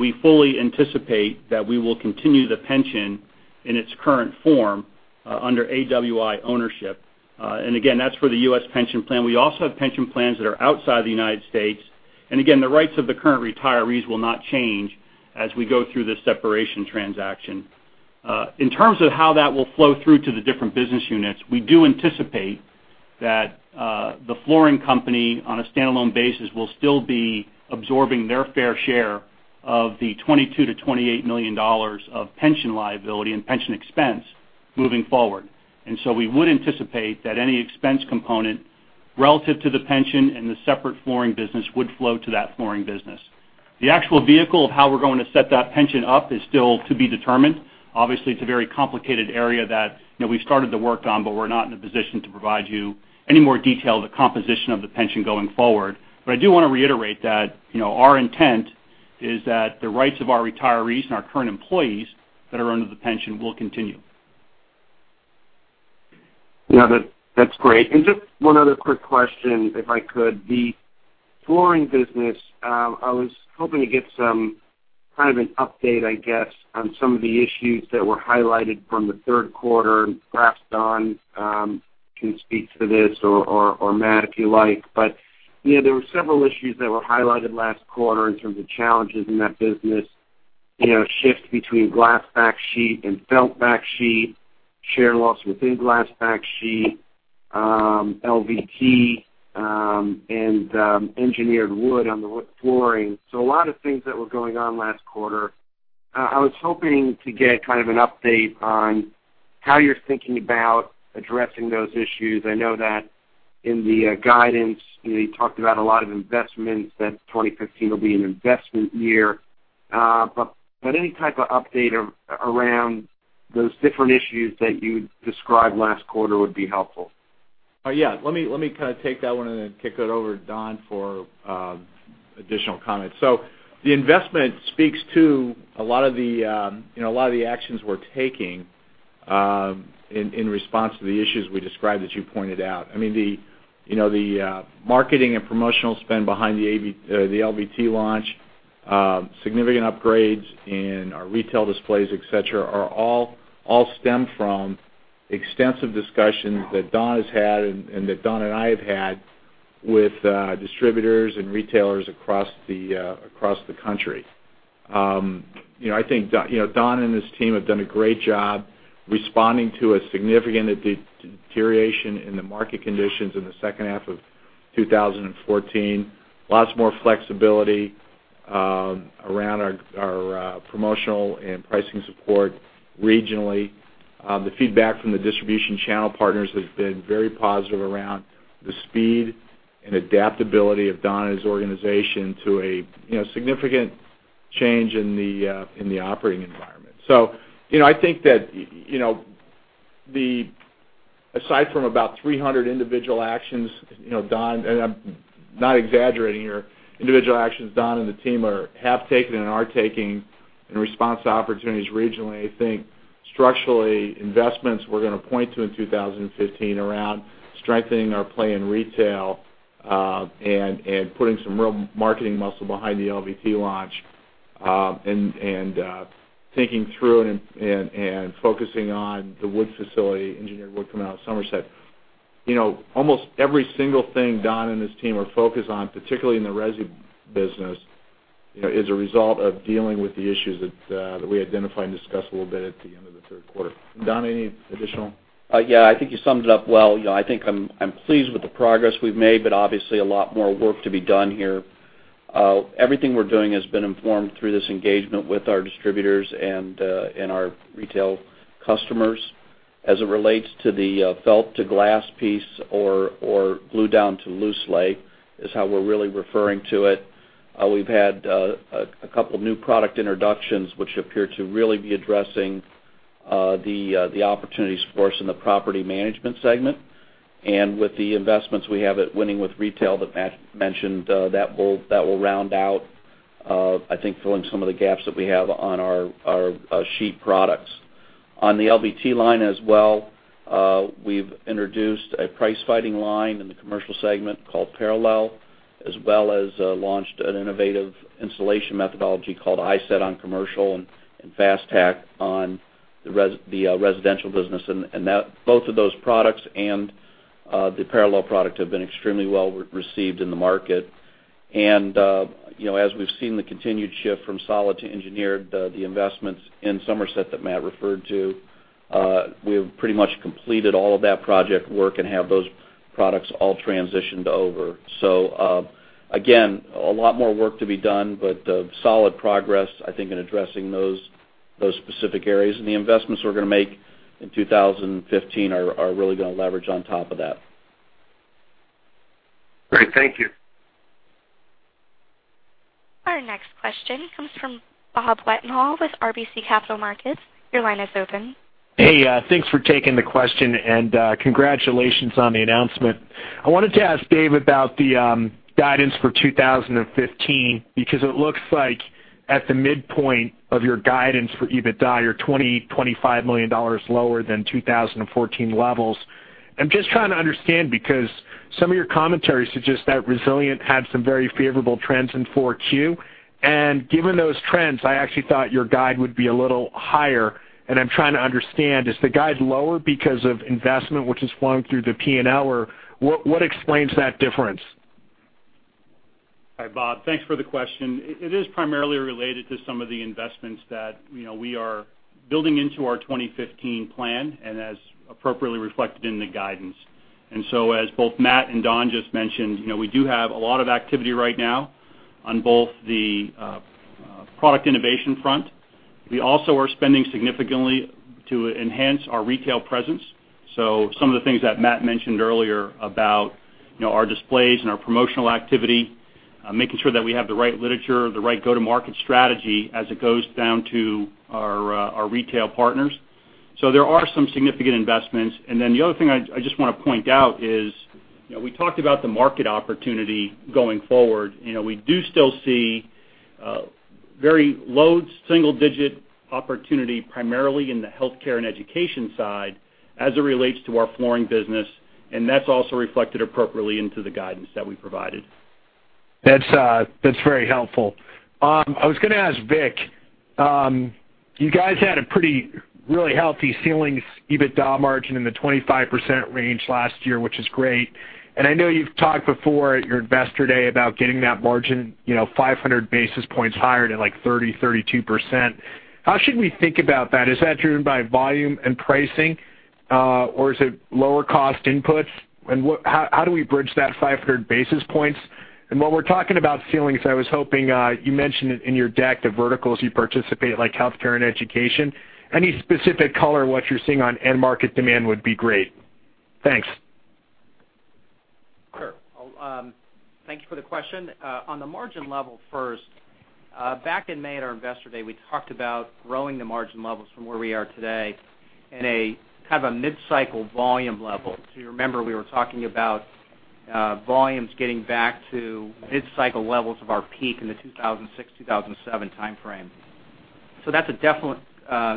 We fully anticipate that we will continue the pension in its current form under AWI ownership. Again, that is for the U.S. pension plan. We also have pension plans that are outside the United States. Again, the rights of the current retirees will not change as we go through this separation transaction. In terms of how that will flow through to the different business units, we do anticipate that the flooring company, on a standalone basis, will still be absorbing their fair share of the $22 million to $28 million of pension liability and pension expense moving forward. We would anticipate that any expense component relative to the pension and the separate flooring business would flow to that flooring business. The actual vehicle of how we're going to set that pension up is still to be determined. Obviously, it's a very complicated area that we've started the work on, but we're not in a position to provide you any more detail of the composition of the pension going forward. I do want to reiterate that our intent is that the rights of our retirees and our current employees that are under the pension will continue. Yeah. That's great. Just one other quick question, if I could. The flooring business, I was hoping to get some kind of an update, I guess, on some of the issues that were highlighted from the third quarter, and perhaps Don can speak to this or Matt, if you like. There were several issues that were highlighted last quarter in terms of challenges in that business, shift between glass backsheet and felt backsheet, share loss within glass backsheet, LVT, and engineered wood on the wood flooring. A lot of things that were going on last quarter. I was hoping to get kind of an update on how you're thinking about addressing those issues. I know that in the guidance, you talked about a lot of investments, that 2015 will be an investment year. Any type of update around those different issues that you described last quarter would be helpful. Yeah. Let me take that one and then kick it over to Don for additional comments. The investment speaks to a lot of the actions we're taking in response to the issues we described that you pointed out. The marketing and promotional spend behind the LVT launch, significant upgrades in our retail displays, et cetera, all stem from extensive discussions that Don has had and that Don and I have had with distributors and retailers across the country. I think Don and his team have done a great job responding to a significant deterioration in the market conditions in the second half of 2014. Lots more flexibility around our promotional and pricing support regionally. The feedback from the distribution channel partners has been very positive around the speed and adaptability of Don and his organization to a significant change in the operating environment. I think that aside from about 300 individual actions, I'm not exaggerating here, individual actions Don and the team have taken and are taking in response to opportunities regionally, I think structurally, investments we're going to point to in 2015 around strengthening our play in retail, putting some real marketing muscle behind the LVT launch, thinking through and focusing on the engineered wood coming out of Somerset. Almost every single thing Don and his team are focused on, particularly in the resi business, is a result of dealing with the issues that we identified and discussed a little bit at the end of the third quarter. Don, any additional? I think you summed it up well. I think I'm pleased with the progress we've made, but obviously a lot more work to be done here. Everything we're doing has been informed through this engagement with our distributors and our retail customers. As it relates to the felt-to-glass piece or glue-down to loose-lay is how we're really referring to it, we've had a couple new product introductions which appear to really be addressing the opportunities for us in the property management segment. With the investments we have at winning with retail that Matt mentioned, that will round out, I think filling some of the gaps that we have on our sheet products. On the LVT line as well, we've introduced a price-fighting line in the commercial segment called Parallel, as well as launched an innovative installation methodology called iSet on commercial and Fast Tack on the residential business. Both of those products and the Parallel product have been extremely well-received in the market. As we've seen the continued shift from solid to engineered, the investments in Somerset that Matt referred to, we have pretty much completed all of that project work and have those products all transitioned over. Again, a lot more work to be done, but solid progress, I think, in addressing those specific areas. The investments we're going to make in 2015 are really going to leverage on top of that. Great. Thank you. Our next question comes from Robert Wetenhall with RBC Capital Markets. Your line is open. Hey, thanks for taking the question and congratulations on the announcement. I wanted to ask Dave about the guidance for 2015, because it looks like at the midpoint of your guidance for EBITDA, you're $20 million, $25 million lower than 2014 levels. I'm just trying to understand because some of your commentary suggests that Resilient had some very favorable trends in 4Q. Given those trends, I actually thought your guide would be a little higher. I'm trying to understand, is the guide lower because of investment which is flowing through the P&L, or what explains that difference? Hi, Bob. Thanks for the question. It is primarily related to some of the investments that we are building into our 2015 plan and as appropriately reflected in the guidance. As both Matt and Don just mentioned, we do have a lot of activity right now on both the product innovation front. We also are spending significantly to enhance our retail presence. Some of the things that Matt mentioned earlier about our displays and our promotional activity, making sure that we have the right literature, the right go-to-market strategy as it goes down to our retail partners. There are some significant investments. The other thing I just want to point out is, we talked about the market opportunity going forward. We do still see very low single-digit opportunity, primarily in the healthcare and education side as it relates to our flooring business, and that's also reflected appropriately into the guidance that we provided. That's very helpful. I was going to ask Vic, you guys had a pretty really healthy ceilings EBITDA margin in the 25% range last year, which is great. I know you've talked before at your Investor Day about getting that margin 500 basis points higher to like 30%-32%. How should we think about that? Is that driven by volume and pricing? Is it lower cost inputs? How do we bridge that 500 basis points? While we're talking about ceilings, I was hoping, you mentioned it in your deck, the verticals you participate, like healthcare and education. Any specific color on what you're seeing on end market demand would be great. Thanks. Sure. Thank you for the question. On the margin level first, back in May at our Investor Day, we talked about growing the margin levels from where we are today in a mid-cycle volume level. You remember, we were talking about volumes getting back to mid-cycle levels of our peak in the 2006, 2007 timeframe. That's a definitely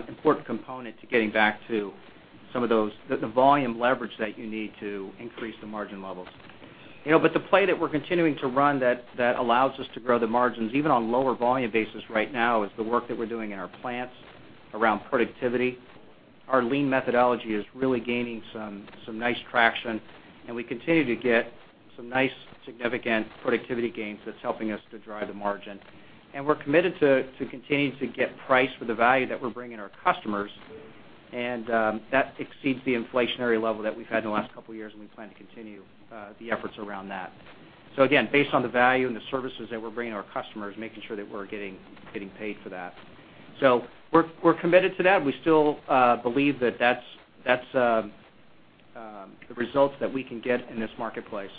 important component to getting back to some of the volume leverage that you need to increase the margin levels. The play that we're continuing to run that allows us to grow the margins, even on lower volume basis right now, is the work that we're doing in our plants around productivity Our lean methodology is really gaining some nice traction, we continue to get some nice significant productivity gains that's helping us to drive the margin. We're committed to continuing to get price for the value that we're bringing our customers, that exceeds the inflationary level that we've had in the last couple of years, we plan to continue the efforts around that. Again, based on the value and the services that we're bringing our customers, making sure that we're getting paid for that. We're committed to that, we still believe that that's the results that we can get in this marketplace.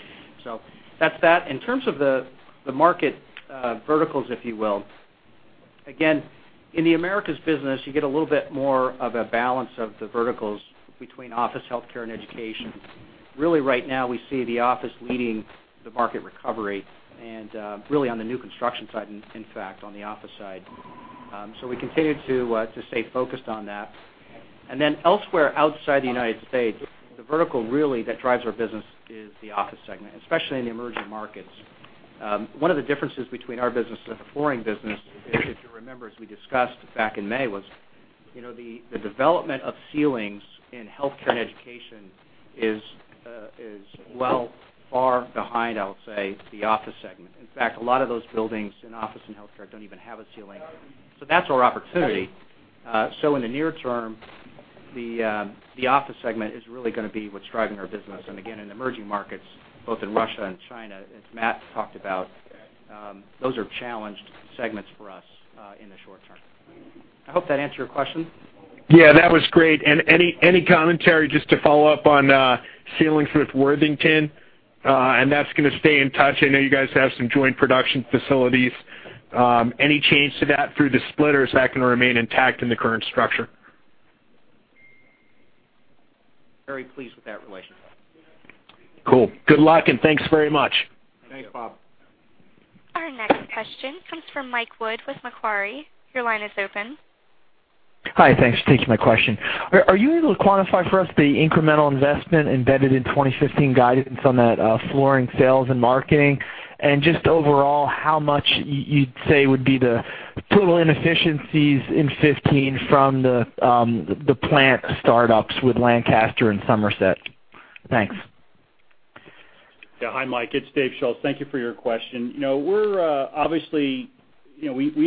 That's that. In terms of the market verticals, if you will, again, in the Americas business, you get a little bit more of a balance of the verticals between office, healthcare, and education. Really right now, we see the office leading the market recovery and really on the new construction side, in fact, on the office side. We continue to stay focused on that. Then elsewhere outside the U.S., the vertical really that drives our business is the office segment, especially in the emerging markets. One of the differences between our business and the Flooring business is, if you remember, as we discussed back in May, was the development of ceilings in healthcare and education is well far behind, I'll say, the office segment. In fact, a lot of those buildings in office and healthcare don't even have a ceiling. That's our opportunity. In the near term, the office segment is really going to be what's driving our business. Again, in emerging markets, both in Russia and China, as Matt talked about, those are challenged segments for us in the short term. I hope that answered your question. Yeah, that was great. Any commentary just to follow up on ceilings with Worthington, and that's going to stay in touch? I know you guys have some joint production facilities. Any change to that through the split, or is that going to remain intact in the current structure? Very pleased with that relationship. Cool. Good luck. Thanks very much. Thank you. Thanks, Bob. Our next question comes from Michael Wood with Macquarie. Your line is open. Hi, thanks for taking my question. Are you able to quantify for us the incremental investment embedded in 2015 guidance on that flooring sales and marketing? Just overall, how much you'd say would be the total inefficiencies in 2015 from the plant startups with Lancaster and Somerset? Thanks. Yeah. Hi, Mike. It's Dave Schulz. Thank you for your question. We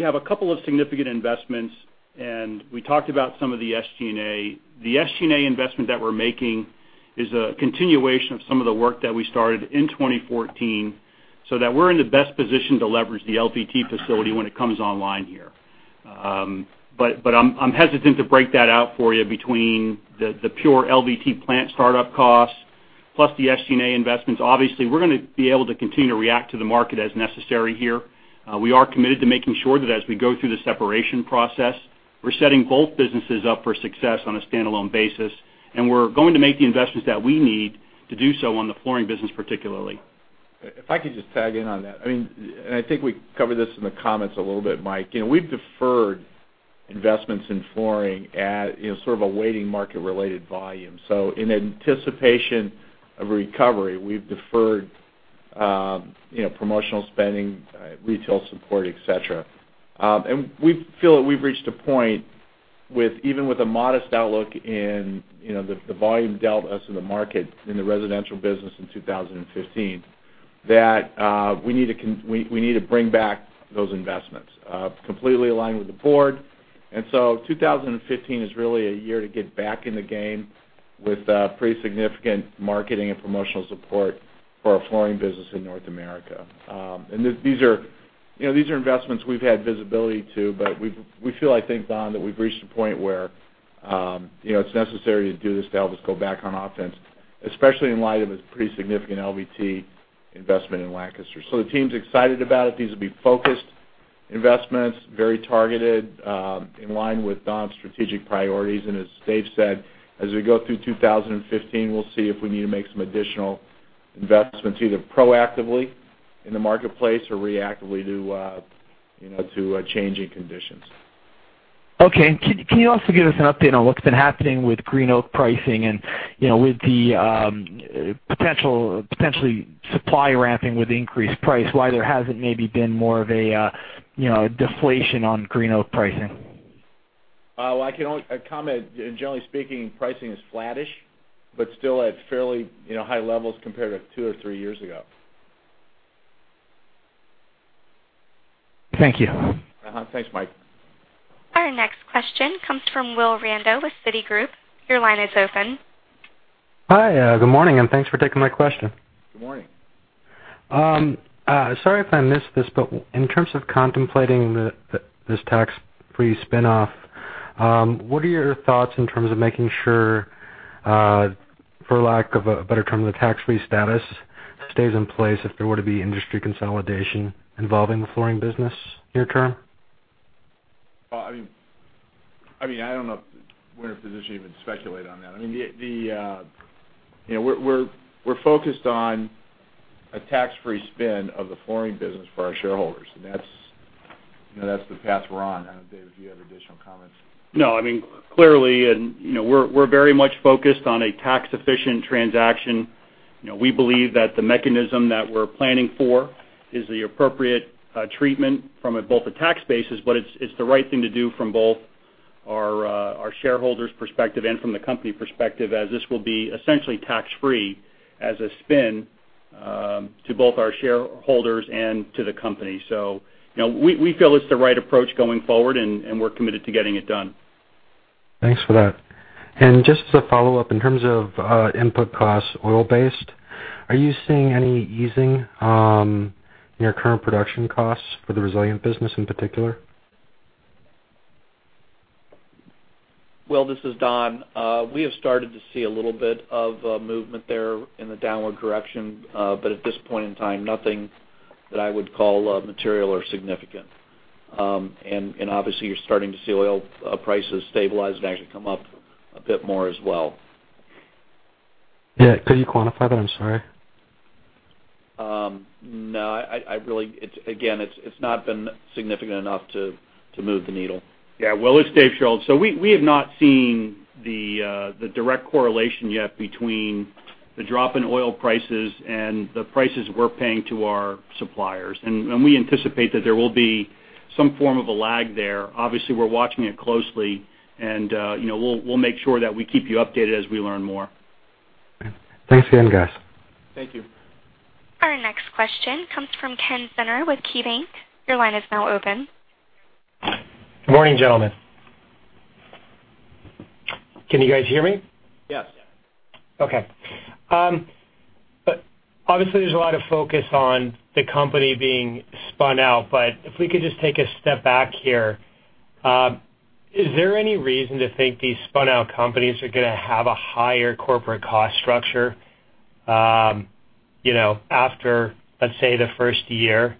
have a couple of significant investments, and we talked about some of the SG&A. The SG&A investment that we're making is a continuation of some of the work that we started in 2014, so that we're in the best position to leverage the LVT facility when it comes online here. I'm hesitant to break that out for you between the pure LVT plant startup costs plus the SG&A investments. Obviously, we're going to be able to continue to react to the market as necessary here. We are committed to making sure that as we go through the separation process, we're setting both businesses up for success on a standalone basis. We're going to make the investments that we need to do so on the flooring business, particularly. If I could just tag in on that. I think we covered this in the comments a little bit, Mike. We've deferred investments in flooring at sort of awaiting market-related volume. In anticipation of a recovery, we've deferred promotional spending, retail support, et cetera. We feel that we've reached a point, even with a modest outlook in the volume delta in the market in the residential business in 2015, that we need to bring back those investments. Completely aligned with the board. 2015 is really a year to get back in the game with pretty significant marketing and promotional support for our flooring business in North America. These are investments we've had visibility to, we feel, I think, Don, that we've reached a point where it's necessary to do this to help us go back on offense, especially in light of this pretty significant LVT investment in Lancaster. The team's excited about it. These will be focused investments, very targeted, in line with Don's strategic priorities. As Dave said, as we go through 2015, we'll see if we need to make some additional investments, either proactively in the marketplace or reactively to changing conditions. Okay. Can you also give us an update on what's been happening with green oak pricing and with the potentially supply ramping with increased price, why there hasn't maybe been more of a deflation on green oak pricing? Well, I can only comment, generally speaking, pricing is flattish, but still at fairly high levels compared to two or three years ago. Thank you. Thanks, Mike. Our next question comes from Willy Randow with Citigroup. Your line is open. Hi, good morning, thanks for taking my question. Good morning. Sorry if I missed this, in terms of contemplating this tax-free spinoff, what are your thoughts in terms of making sure, for lack of a better term, the tax-free status stays in place if there were to be industry consolidation involving the Flooring business near term? Well, I don't know if we're in a position to even speculate on that. We're focused on a tax-free spin of the Flooring business for our shareholders, that's the path we're on. I don't know, Dave, if you have additional comments. No, clearly, we're very much focused on a tax-efficient transaction. We believe that the mechanism that we're planning for is the appropriate treatment from both a tax basis, but it's the right thing to do from both our shareholders' perspective and from the company perspective, as this will be essentially tax-free as a spin to both our shareholders and to the company. We feel it's the right approach going forward, and we're committed to getting it done. Thanks for that. Just as a follow-up, in terms of input costs, oil-based, are you seeing any easing in your current production costs for the Resilient Business in particular? Will, this is Don. We have started to see a little bit of a movement there in the downward direction. At this point in time, nothing that I would call material or significant. Obviously, you're starting to see oil prices stabilize and actually come up a bit more as well. Yeah. Could you quantify that? I'm sorry. No. Again, it's not been significant enough to move the needle. Yeah. Will, it's Dave Schulz. We have not seen the direct correlation yet between the drop in oil prices and the prices we're paying to our suppliers. We anticipate that there will be some form of a lag there. Obviously, we're watching it closely, we'll make sure that we keep you updated as we learn more. Okay. Thanks again, guys. Thank you. Our next question comes from Kenneth Zener with KeyBank. Your line is now open. Good morning, gentlemen. Can you guys hear me? Yes. Okay. Obviously, there's a lot of focus on the company being spun out. If we could just take a step back here. Is there any reason to think these spun-out companies are going to have a higher corporate cost structure after, let's say, the first year?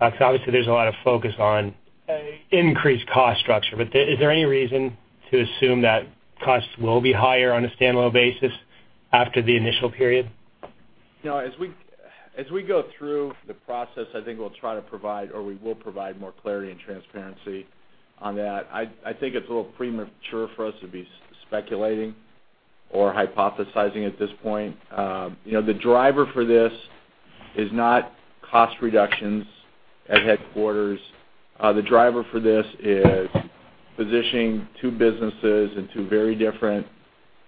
Obviously there's a lot of focus on increased cost structure. Is there any reason to assume that costs will be higher on a standalone basis after the initial period? As we go through the process, I think we'll try to provide, or we will provide more clarity and transparency on that. I think it's a little premature for us to be speculating or hypothesizing at this point. The driver for this is not cost reductions at headquarters. The driver for this is positioning two businesses in two very different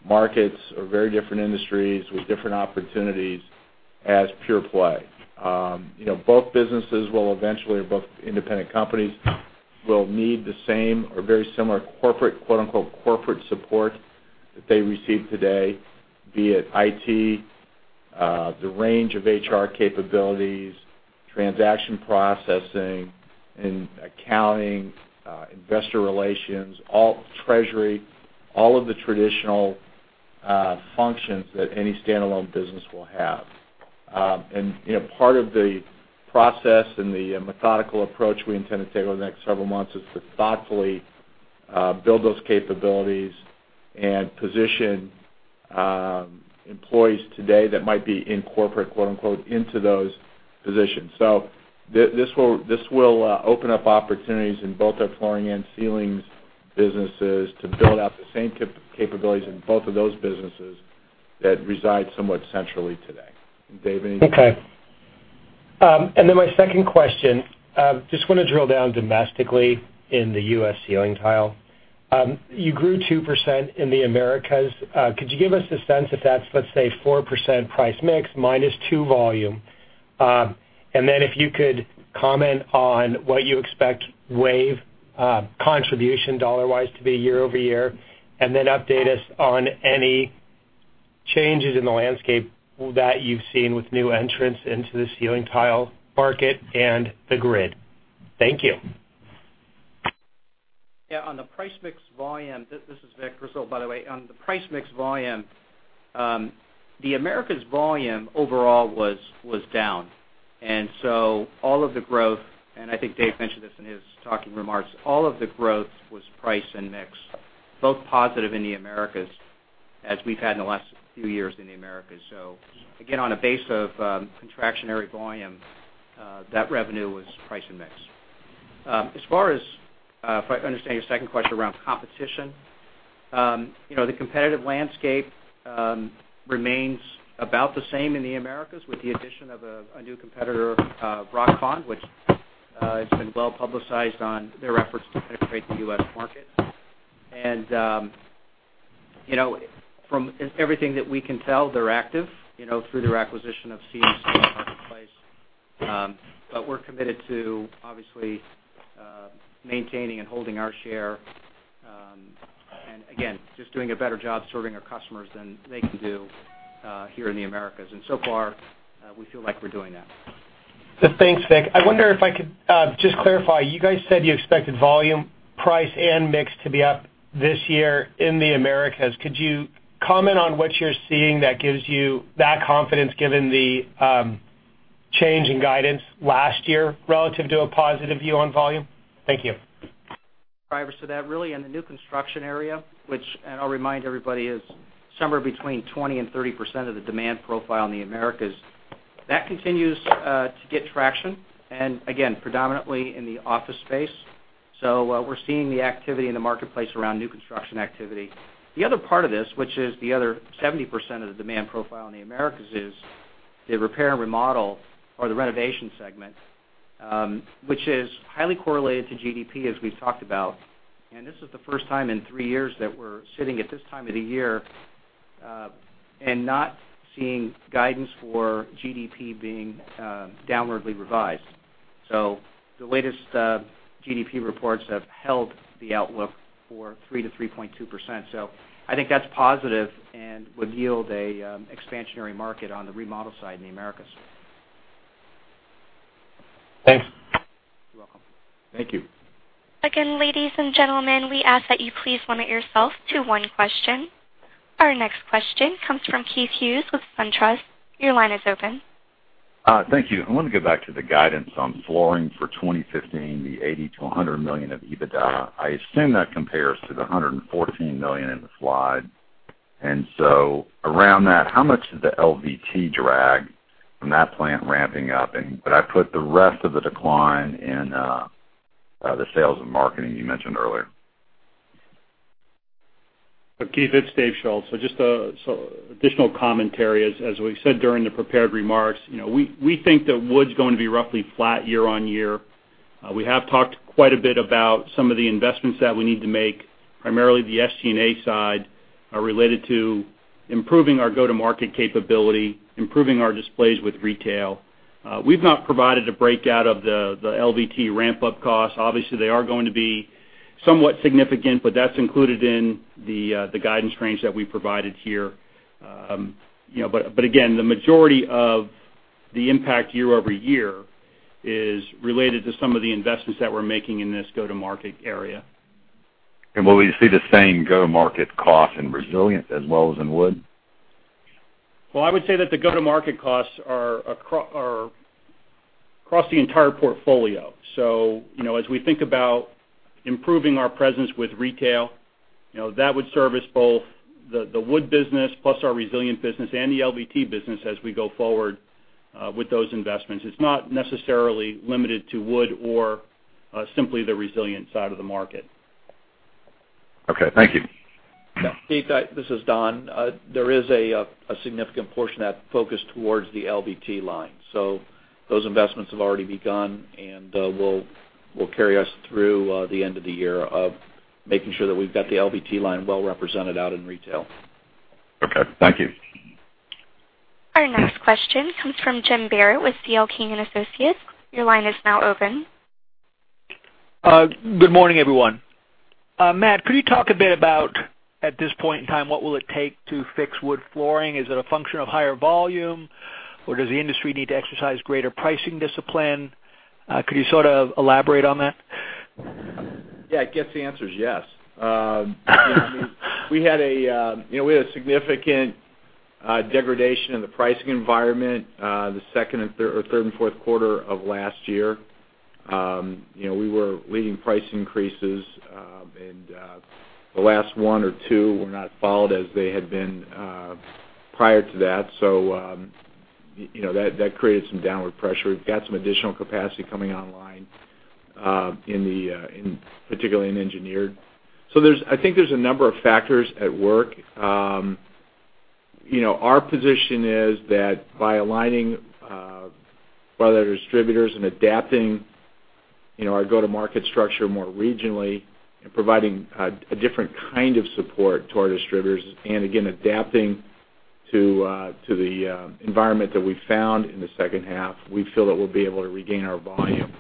markets or very different industries with different opportunities as pure play. Both businesses will eventually, or both independent companies, will need the same or very similar corporate, quote-unquote, "corporate support" that they receive today, be it IT, the range of HR capabilities, transaction processing and accounting, investor relations, treasury, all of the traditional functions that any standalone business will have. Part of the process and the methodical approach we intend to take over the next several months is to thoughtfully build those capabilities and position employees today that might be in corporate, quote-unquote, "into those positions." This will open up opportunities in both our flooring and ceilings businesses to build out the same capabilities in both of those businesses that reside somewhat centrally today. Dave, anything- I just want to drill down domestically in the U.S. ceiling tile. You grew 2% in the Americas. Could you give us a sense if that's, let's say, 4% price mix minus 2 volume? If you could comment on what you expect WAVE contribution dollar-wise to be year-over-year, update us on any changes in the landscape that you've seen with new entrants into the ceiling tile market and the grid. Thank you. On the price mix volume. This is Vic Grizzle, by the way. On the price mix volume, the Americas volume overall was down. All of the growth, and I think Dave mentioned this in his talking remarks, all of the growth was price and mix, both positive in the Americas as we've had in the last few years in the Americas. Again, on a base of contractionary volume, that revenue was price and mix. As far as, if I understand your second question around competition, the competitive landscape remains about the same in the Americas with the addition of a new competitor, Rockfon, which has been well-publicized on their efforts to penetrate the U.S. market. From everything that we can tell, they're active through their acquisition of ceilings in the marketplace. We're committed to, obviously, maintaining and holding our share, and again, just doing a better job serving our customers than they can do here in the Americas. Far, we feel like we're doing that. Thanks, Vic. I wonder if I could just clarify, you guys said you expected volume, price, and mix to be up this year in the Americas. Could you comment on what you're seeing that gives you that confidence given the change in guidance last year relative to a positive view on volume? Thank you. Drivers to that, really in the new construction area, which, and I'll remind everybody, is somewhere between 20%-30% of the demand profile in the Americas. That continues to get traction, and again, predominantly in the office space. We're seeing the activity in the marketplace around new construction activity. The other part of this, which is the other 70% of the demand profile in the Americas, is the repair and remodel or the renovation segment, which is highly correlated to GDP, as we've talked about. This is the first time in three years that we're sitting at this time of the year and not seeing guidance for GDP being downwardly revised. The latest GDP reports have held the outlook for 3%-3.2%. I think that's positive and would yield an expansionary market on the remodel side in the Americas. Thanks. You're welcome. Thank you. Ladies and gentlemen, we ask that you please limit yourself to one question. Our next question comes from Keith Hughes with SunTrust. Your line is open. Thank you. I want to go back to the guidance on flooring for 2015, the $80 million-$100 million of EBITDA. I assume that compares to the $114 million in the slide. I put the rest of the decline in the sales and marketing you mentioned earlier. Keith, it's Dave Schulz. Just additional commentary. As we said during the prepared remarks, we think that wood's going to be roughly flat year-on-year. We have talked quite a bit about some of the investments that we need to make, primarily the SG&A side, related to improving our go-to-market capability, improving our displays with retail. We've not provided a breakout of the LVT ramp-up costs. Obviously, they are going to be somewhat significant, but that's included in the guidance range that we provided here. Again, the majority of the impact year-over-year is related to some of the investments that we're making in this go-to-market area. Will we see the same go-to-market cost in Resilient as well as in wood? Well, I would say that the go-to-market costs are across the entire portfolio. As we think about improving our presence with retail, that would service both the wood business plus our Resilient business and the LVT business as we go forward with those investments. It's not necessarily limited to wood or simply the Resilient side of the market. Okay, thank you. Keith, this is Don. There is a significant portion that focused towards the LVT line. Those investments have already begun and will carry us through the end of the year of making sure that we've got the LVT line well represented out in retail. Okay, thank you. Our next question comes from Jim Barrett with C.L. King & Associates. Your line is now open. Good morning, everyone. Matt, could you talk a bit about, at this point in time, what will it take to fix wood flooring? Is it a function of higher volume, or does the industry need to exercise greater pricing discipline? Could you elaborate on that? Yeah, I guess the answer is yes. We had a significant degradation in the pricing environment the third and fourth quarter of last year. We were leading price increases, and the last one or two were not followed as they had been prior to that. That created some downward pressure. We've got some additional capacity coming online, particularly in engineered. I think there's a number of factors at work. Our position is that by aligning with our distributors and adapting our go-to-market structure more regionally and providing a different kind of support to our distributors, and again, adapting to the environment that we found in the second half, we feel that we'll be able to regain our volume.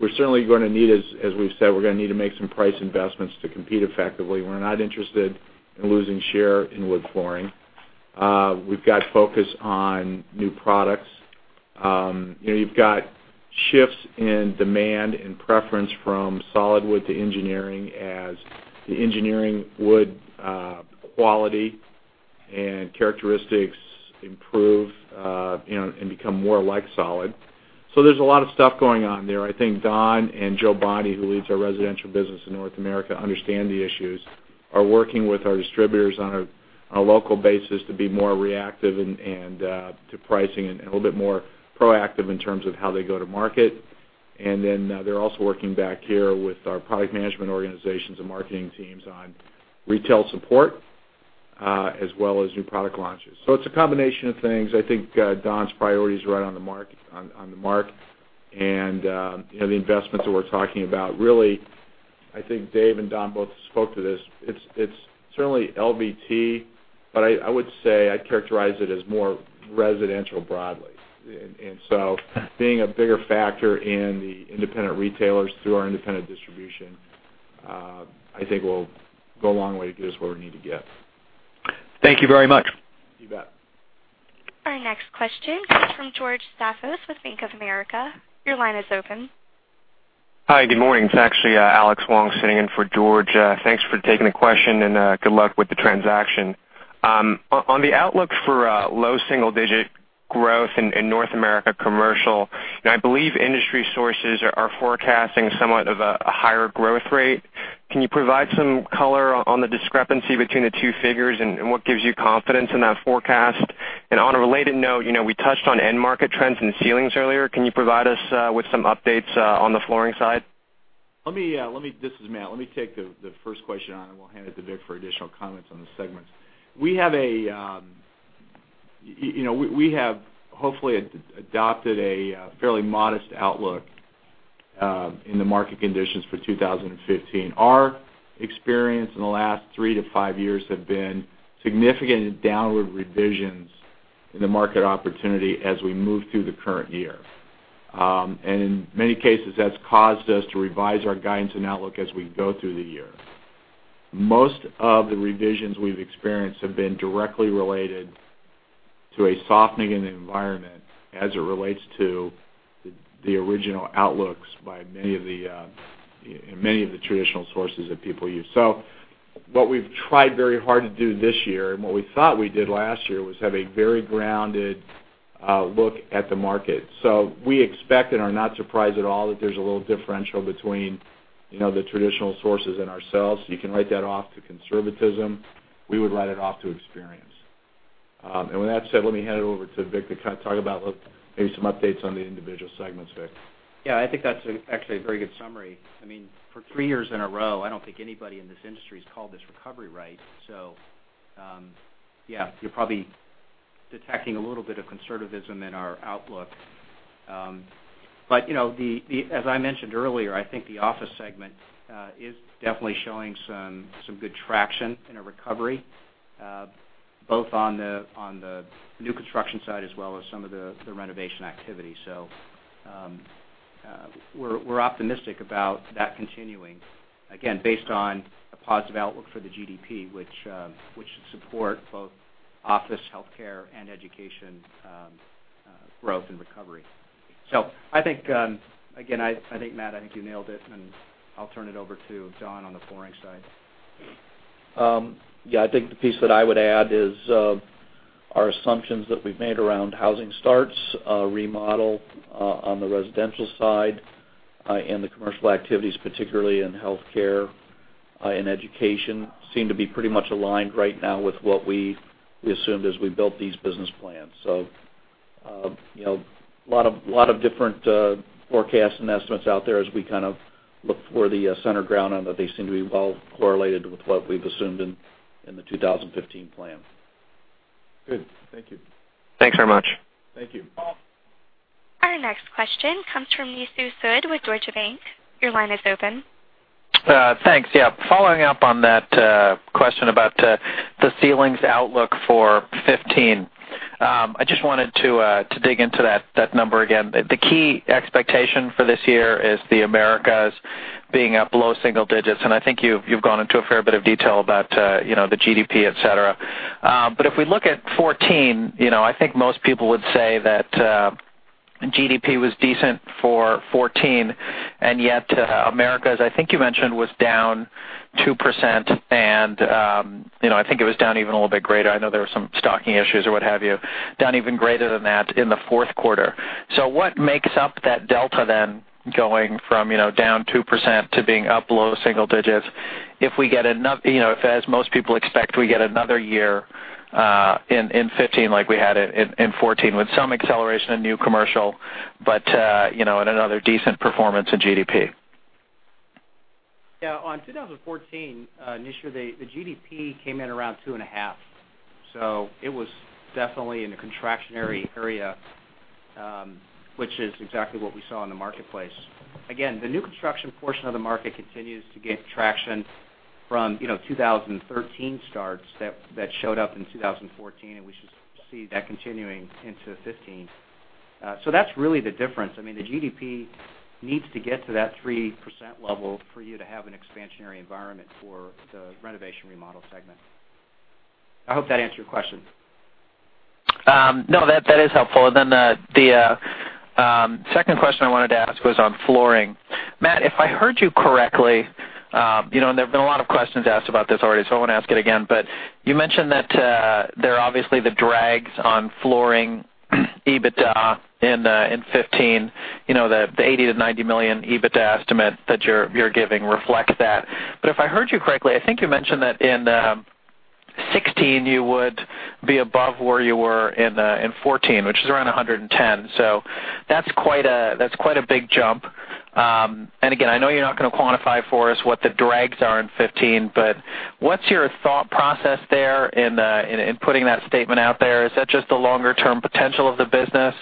We're certainly going to need, as we've said, we're going to need to make some price investments to compete effectively. We're not interested in losing share in wood flooring. We've got focus on new products. You've got shifts in demand and preference from solid wood to engineering as the engineering wood quality and characteristics improve and become more like solid. There's a lot of stuff going on there. I think Don and Joseph Bondi, who leads our residential business in North America, understand the issues, are working with our distributors on a local basis to be more reactive to pricing and a little bit more proactive in terms of how they go to market. They're also working back here with our product management organizations and marketing teams on retail support, as well as new product launches. It's a combination of things. I think Don's priority is right on the mark. The investments that we're talking about, really, I think Dave and Don both spoke to this. It's certainly LVT, but I would say I'd characterize it as more residential broadly. Being a bigger factor in the independent retailers through our independent distribution, I think will go a long way to get us where we need to get. Thank you very much. You bet. Our next question comes from George Staphos with Bank of America. Your line is open. Hi, good morning. It's actually Alex Wong sitting in for George. Thanks for taking the question, good luck with the transaction. On the outlook for low single-digit growth in North America commercial, I believe industry sources are forecasting somewhat of a higher growth rate? Can you provide some color on the discrepancy between the two figures, what gives you confidence in that forecast? On a related note, we touched on end market trends in ceilings earlier. Can you provide us with some updates on the flooring side? This is Matt. Let me take the first question, we'll hand it to Vic for additional comments on the segments. We have hopefully adopted a fairly modest outlook in the market conditions for 2015. Our experience in the last three to five years have been significant downward revisions in the market opportunity as we move through the current year. In many cases, that's caused us to revise our guidance and outlook as we go through the year. Most of the revisions we've experienced have been directly related to a softening in the environment as it relates to the original outlooks by many of the traditional sources that people use. What we've tried very hard to do this year, and what we thought we did last year, was have a very grounded look at the market. We expect and are not surprised at all that there's a little differential between the traditional sources and ourselves. You can write that off to conservatism. We would write it off to experience. With that said, let me hand it over to Vic to kind of talk about maybe some updates on the individual segments, Vic. I think that's actually a very good summary. For three years in a row, I don't think anybody in this industry has called this recovery right. Yeah, you're probably detecting a little bit of conservatism in our outlook. As I mentioned earlier, I think the office segment is definitely showing some good traction in a recovery, both on the new construction side as well as some of the renovation activity. We're optimistic about that continuing, again, based on a positive outlook for the GDP, which should support both office, healthcare, and education growth and recovery. Again, I think, Matt, I think you nailed it, and I'll turn it over to Don on the flooring side. I think the piece that I would add is our assumptions that we've made around housing starts, remodel on the residential side, and the commercial activities, particularly in healthcare and education, seem to be pretty much aligned right now with what we assumed as we built these business plans. A lot of different forecasts and estimates out there as we kind of look for the center ground on that. They seem to be well correlated with what we've assumed in the 2015 plan. Good. Thank you. Thanks very much. Thank you. Our next question comes from Nishu Sood with Deutsche Bank. Your line is open. Thanks. Yeah. Following up on that question about the ceilings outlook for 2015. I just wanted to dig into that number again. The key expectation for this year is the Americas being up low single digits, and I think you've gone into a fair bit of detail about the GDP, et cetera. If we look at 2014, I think most people would say that GDP was decent for 2014, and yet Americas, I think you mentioned, was down 2%, and I think it was down even a little bit greater. I know there were some stocking issues or what have you, down even greater than that in the fourth quarter. What makes up that delta then going from down 2% to being up low single digits if, as most people expect, we get another year in 2015 like we had in 2014 with some acceleration in new commercial, another decent performance in GDP? Yeah. On 2014, Nishu, the GDP came in around two and a half. It was definitely in the contractionary area, which is exactly what we saw in the marketplace. Again, the new construction portion of the market continues to gain traction from 2013 starts that showed up in 2014, and we should see that continuing into 2015. That's really the difference. The GDP needs to get to that 3% level for you to have an expansionary environment for the renovation remodel segment. I hope that answered your question. No, that is helpful. The second question I wanted to ask was on flooring. Matt, if I heard you correctly, there have been a lot of questions asked about this already, I won't ask it again, but you mentioned that there are obviously the drags on flooring EBITDA in 2015, the $80 million-$90 million EBITDA estimate that you're giving reflects that. If I heard you correctly, I think you mentioned that in 2016, you would be above where you were in 2014, which is around $110 million. That's quite a big jump. Again, I know you're not going to quantify for us what the drags are in 2015, but what's your thought process there in putting that statement out there? Is that just the longer-term potential of the business?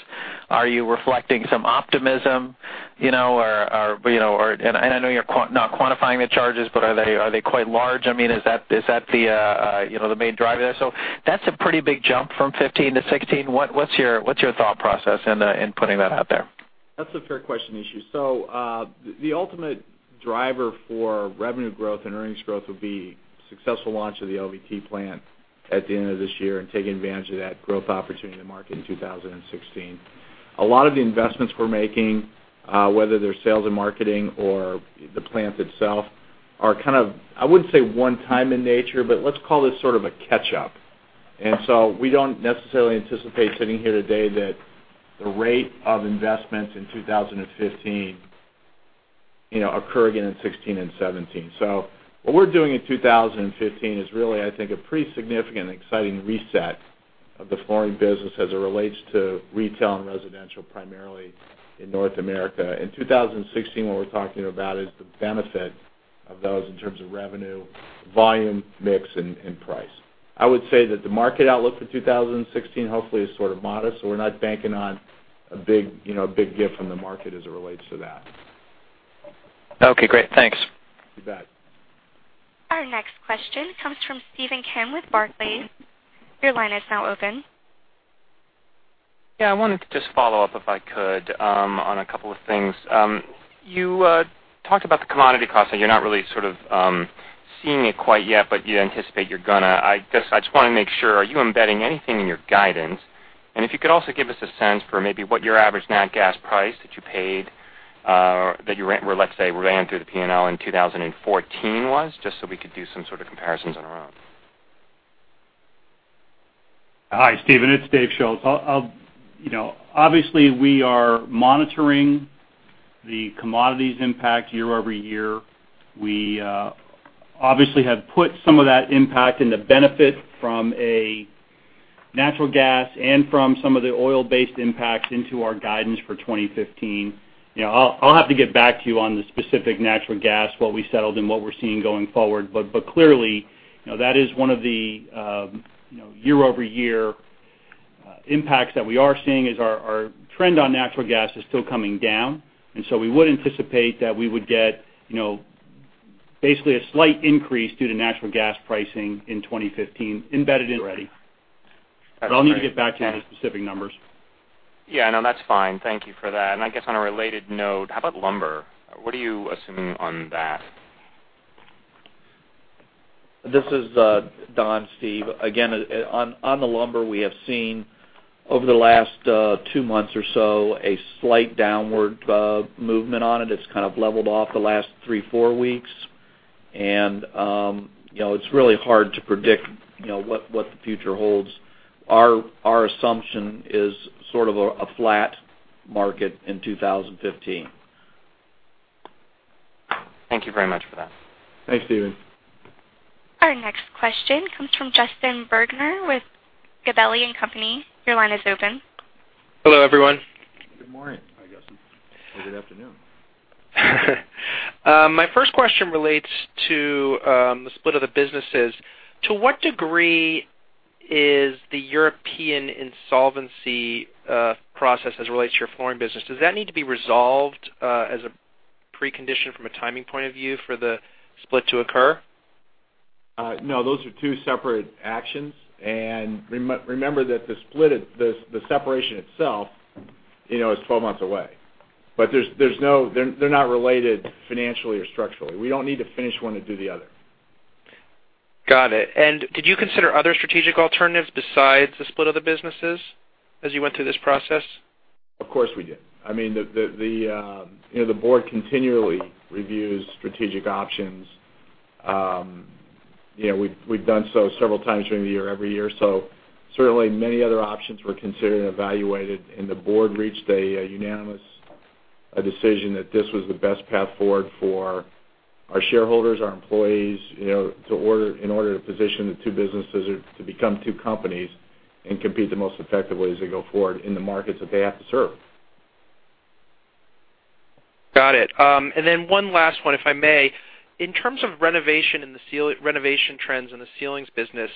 Are you reflecting some optimism? I know you're not quantifying the charges, are they quite large? Is that the main driver there? That's a pretty big jump from 2015 to 2016. What's your thought process in putting that out there? That's a fair question, Nishu. The ultimate driver for revenue growth and earnings growth would be successful launch of the LVT plant at the end of this year and taking advantage of that growth opportunity in the market in 2016. A lot of the investments we're making, whether they're sales and marketing or the plant itself, are kind of, I wouldn't say one time in nature, but let's call this sort of a catch-up. We don't necessarily anticipate sitting here today that the rate of investments in 2015 occur again in 2016 and 2017. What we're doing in 2015 is really, I think, a pretty significant and exciting reset of the flooring business as it relates to retail and residential, primarily in North America. In 2016, what we're talking about is the benefit of those in terms of revenue, volume, mix, and price. I would say that the market outlook for 2016 hopefully is sort of modest, we're not banking on a big gift from the market as it relates to that. Okay, great. Thanks. You bet. Our next question comes from Stephen Kim with Barclays. Your line is now open. Yeah, I wanted to just follow up, if I could, on a couple of things. You talked about the commodity costs, and you're not really sort of seeing it quite yet, but you anticipate you're going to. I just want to make sure, are you embedding anything in your guidance? If you could also give us a sense for maybe what your average nat gas price that you paid, or let's say, ran through the P&L in 2014 was, just so we could do some sort of comparisons on our own. Hi, Steven. It's Dave Schulz. Obviously, we are monitoring the commodities impact year-over-year. We obviously have put some of that impact and the benefit from natural gas and from some of the oil-based impacts into our guidance for 2015. I'll have to get back to you on the specific natural gas, what we settled and what we're seeing going forward. Clearly, that is one of the year-over-year impacts that we are seeing, is our trend on natural gas is still coming down. We would anticipate that we would get basically a slight increase due to natural gas pricing in 2015 embedded in already. That's great. I'll need to get back to you on the specific numbers. Yeah, no, that's fine. Thank you for that. I guess on a related note, how about lumber? What are you assuming on that? This is Don, Steve. On the lumber, we have seen, over the last two months or so, a slight downward movement on it. It's kind of leveled off the last three, four weeks. It's really hard to predict what the future holds. Our assumption is sort of a flat market in 2015. Thank you very much for that. Thanks, Steven. Our next question comes from Justin Bergner with Gabelli & Company. Your line is open. Hello, everyone. Good morning, I guess. Good afternoon. My first question relates to the split of the businesses. To what degree is the European insolvency process as it relates to your flooring business, does that need to be resolved as a precondition from a timing point of view for the split to occur? No, those are two separate actions. Remember that the separation itself is 12 months away. They're not related financially or structurally. We don't need to finish one to do the other. Got it. Did you consider other strategic alternatives besides the split of the businesses as you went through this process? Of course, we did. The board continually reviews strategic options. We've done so several times during the year, every year, certainly many other options were considered and evaluated, the board reached a unanimous decision that this was the best path forward for our shareholders, our employees, in order to position the two businesses to become two companies and compete the most effectively as they go forward in the markets that they have to serve. Got it. One last one, if I may. In terms of renovation trends in the ceilings business,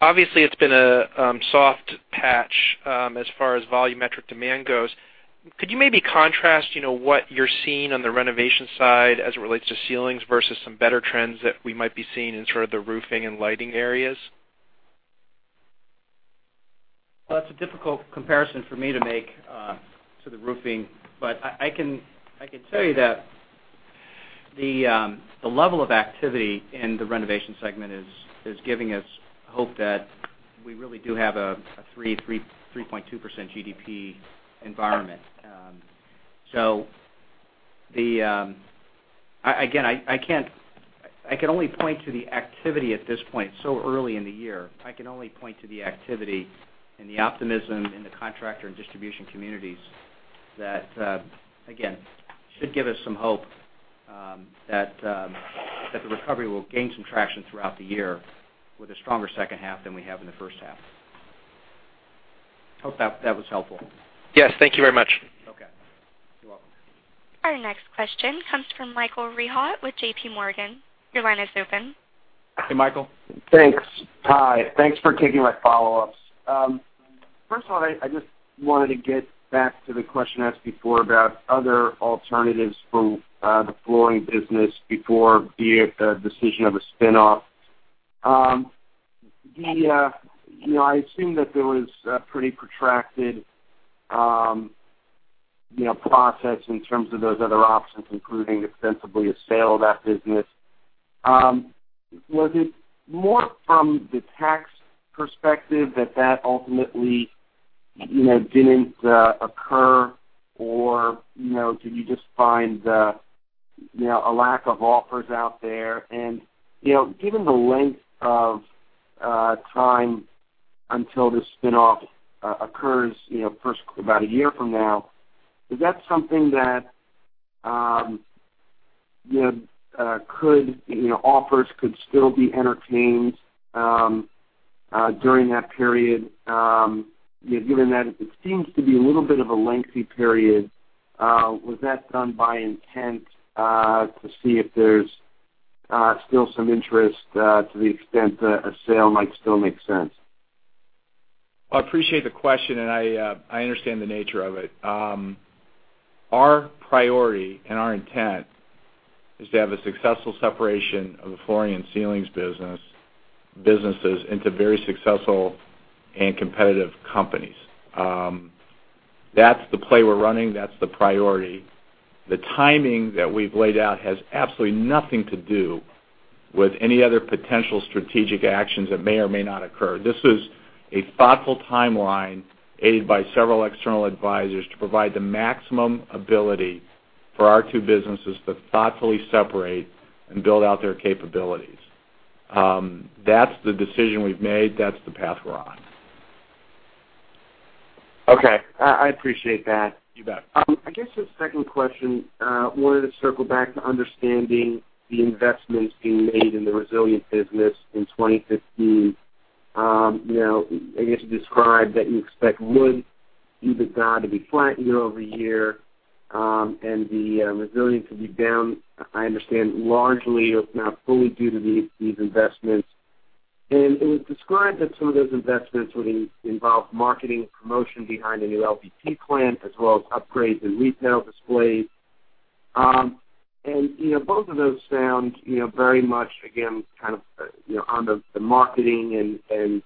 obviously, it's been a soft patch as far as volumetric demand goes. Could you maybe contrast what you're seeing on the renovation side as it relates to ceilings versus some better trends that we might be seeing in sort of the roofing and lighting areas? Well, that's a difficult comparison for me to make to the roofing, but I can tell you that the level of activity in the renovation segment is giving us hope that we really do have a 3%, 3.2% GDP environment. Again, I can only point to the activity at this point, so early in the year. I can only point to the activity and the optimism in the contractor and distribution communities that, again, should give us some hope that the recovery will gain some traction throughout the year, with a stronger second half than we have in the first half. Hope that was helpful. Yes, thank you very much. Okay. You're welcome. Our next question comes from Michael Rehaut with JP Morgan. Your line is open. Hey, Michael. Thanks. Hi. Thanks for taking my follow-ups. I just wanted to get back to the question asked before about other alternatives for the Armstrong Flooring business before the decision of a spinoff. I assume that there was a pretty protracted process in terms of those other options, including ostensibly a sale of that business. Was it more from the tax perspective that ultimately didn't occur or did you just find a lack of offers out there? Given the length of time until this spinoff occurs, first about a year from now, is that something that offers could still be entertained during that period? Given that it seems to be a little bit of a lengthy period, was that done by intent to see if there's still some interest to the extent a sale might still make sense? I appreciate the question. I understand the nature of it. Our priority and our intent is to have a successful separation of the Armstrong Flooring and Armstrong Building Products businesses into very successful and competitive companies. That's the play we're running. That's the priority. The timing that we've laid out has absolutely nothing to do with any other potential strategic actions that may or may not occur. This is a thoughtful timeline, aided by several external advisors, to provide the maximum ability for our two businesses to thoughtfully separate and build out their capabilities. That's the decision we've made. That's the path we're on. I appreciate that. You bet. I guess the second question, wanted to circle back to understanding the investments being made in the Resilient business in 2015. I guess you described that you expect wood EBITDA to be flat year-over-year, and the Resilient to be down, I understand, largely, if not fully, due to these investments. It was described that some of those investments would involve marketing and promotion behind a new LVT plant, as well as upgrades in retail displays. Both of those sound very much, again, on the marketing and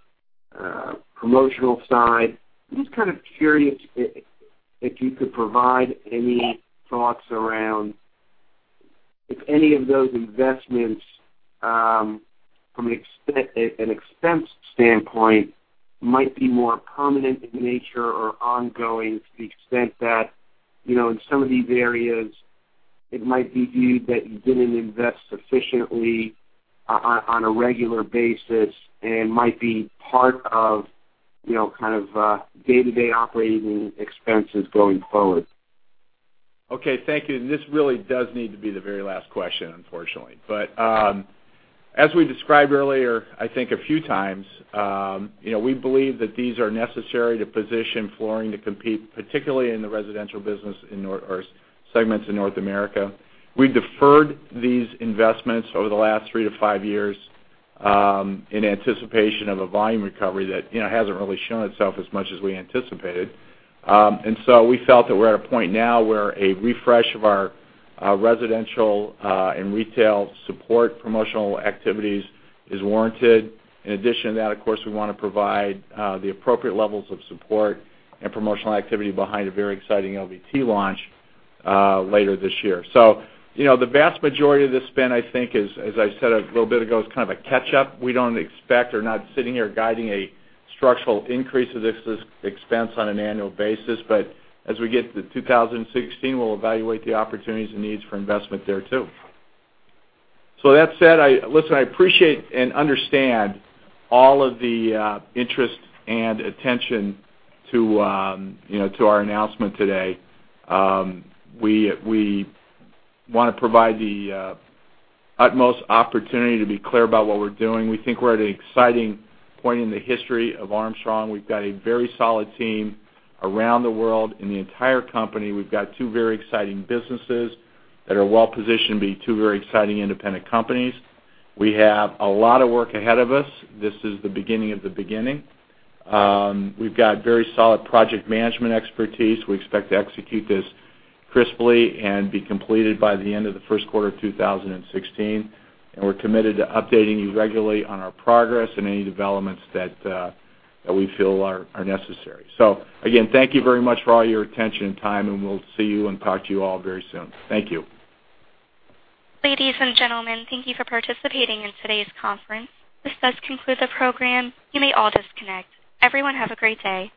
promotional side. I'm just kind of curious if you could provide any thoughts around if any of those investments, from an expense standpoint, might be more permanent in nature or ongoing to the extent that in some of these areas, it might be viewed that you didn't invest sufficiently on a regular basis and might be part of day-to-day operating expenses going forward. Okay, thank you. This really does need to be the very last question, unfortunately. As we described earlier, I think a few times, we believe that these are necessary to position flooring to compete, particularly in the residential business or segments in North America. We deferred these investments over the last 3 to 5 years in anticipation of a volume recovery that hasn't really shown itself as much as we anticipated. We felt that we're at a point now where a refresh of our residential and retail support promotional activities is warranted. In addition to that, of course, we want to provide the appropriate levels of support and promotional activity behind a very exciting LVT launch later this year. The vast majority of this spend, I think is, as I said a little bit ago, is kind of a catch-up. We don't expect or not sitting here guiding a structural increase of this expense on an annual basis, but as we get to 2016, we'll evaluate the opportunities and needs for investment there, too. With that said, listen, I appreciate and understand all of the interest and attention to our announcement today. We want to provide the utmost opportunity to be clear about what we're doing. We think we're at an exciting point in the history of Armstrong. We've got a very solid team around the world in the entire company. We've got two very exciting businesses that are well-positioned to be two very exciting independent companies. We have a lot of work ahead of us. This is the beginning of the beginning. We've got very solid project management expertise. We expect to execute this crisply and be completed by the end of the first quarter of 2016. We're committed to updating you regularly on our progress and any developments that we feel are necessary. Again, thank you very much for all your attention and time, and we'll see you and talk to you all very soon. Thank you. Ladies and gentlemen, thank you for participating in today's conference. This does conclude the program. You may all disconnect. Everyone have a great day.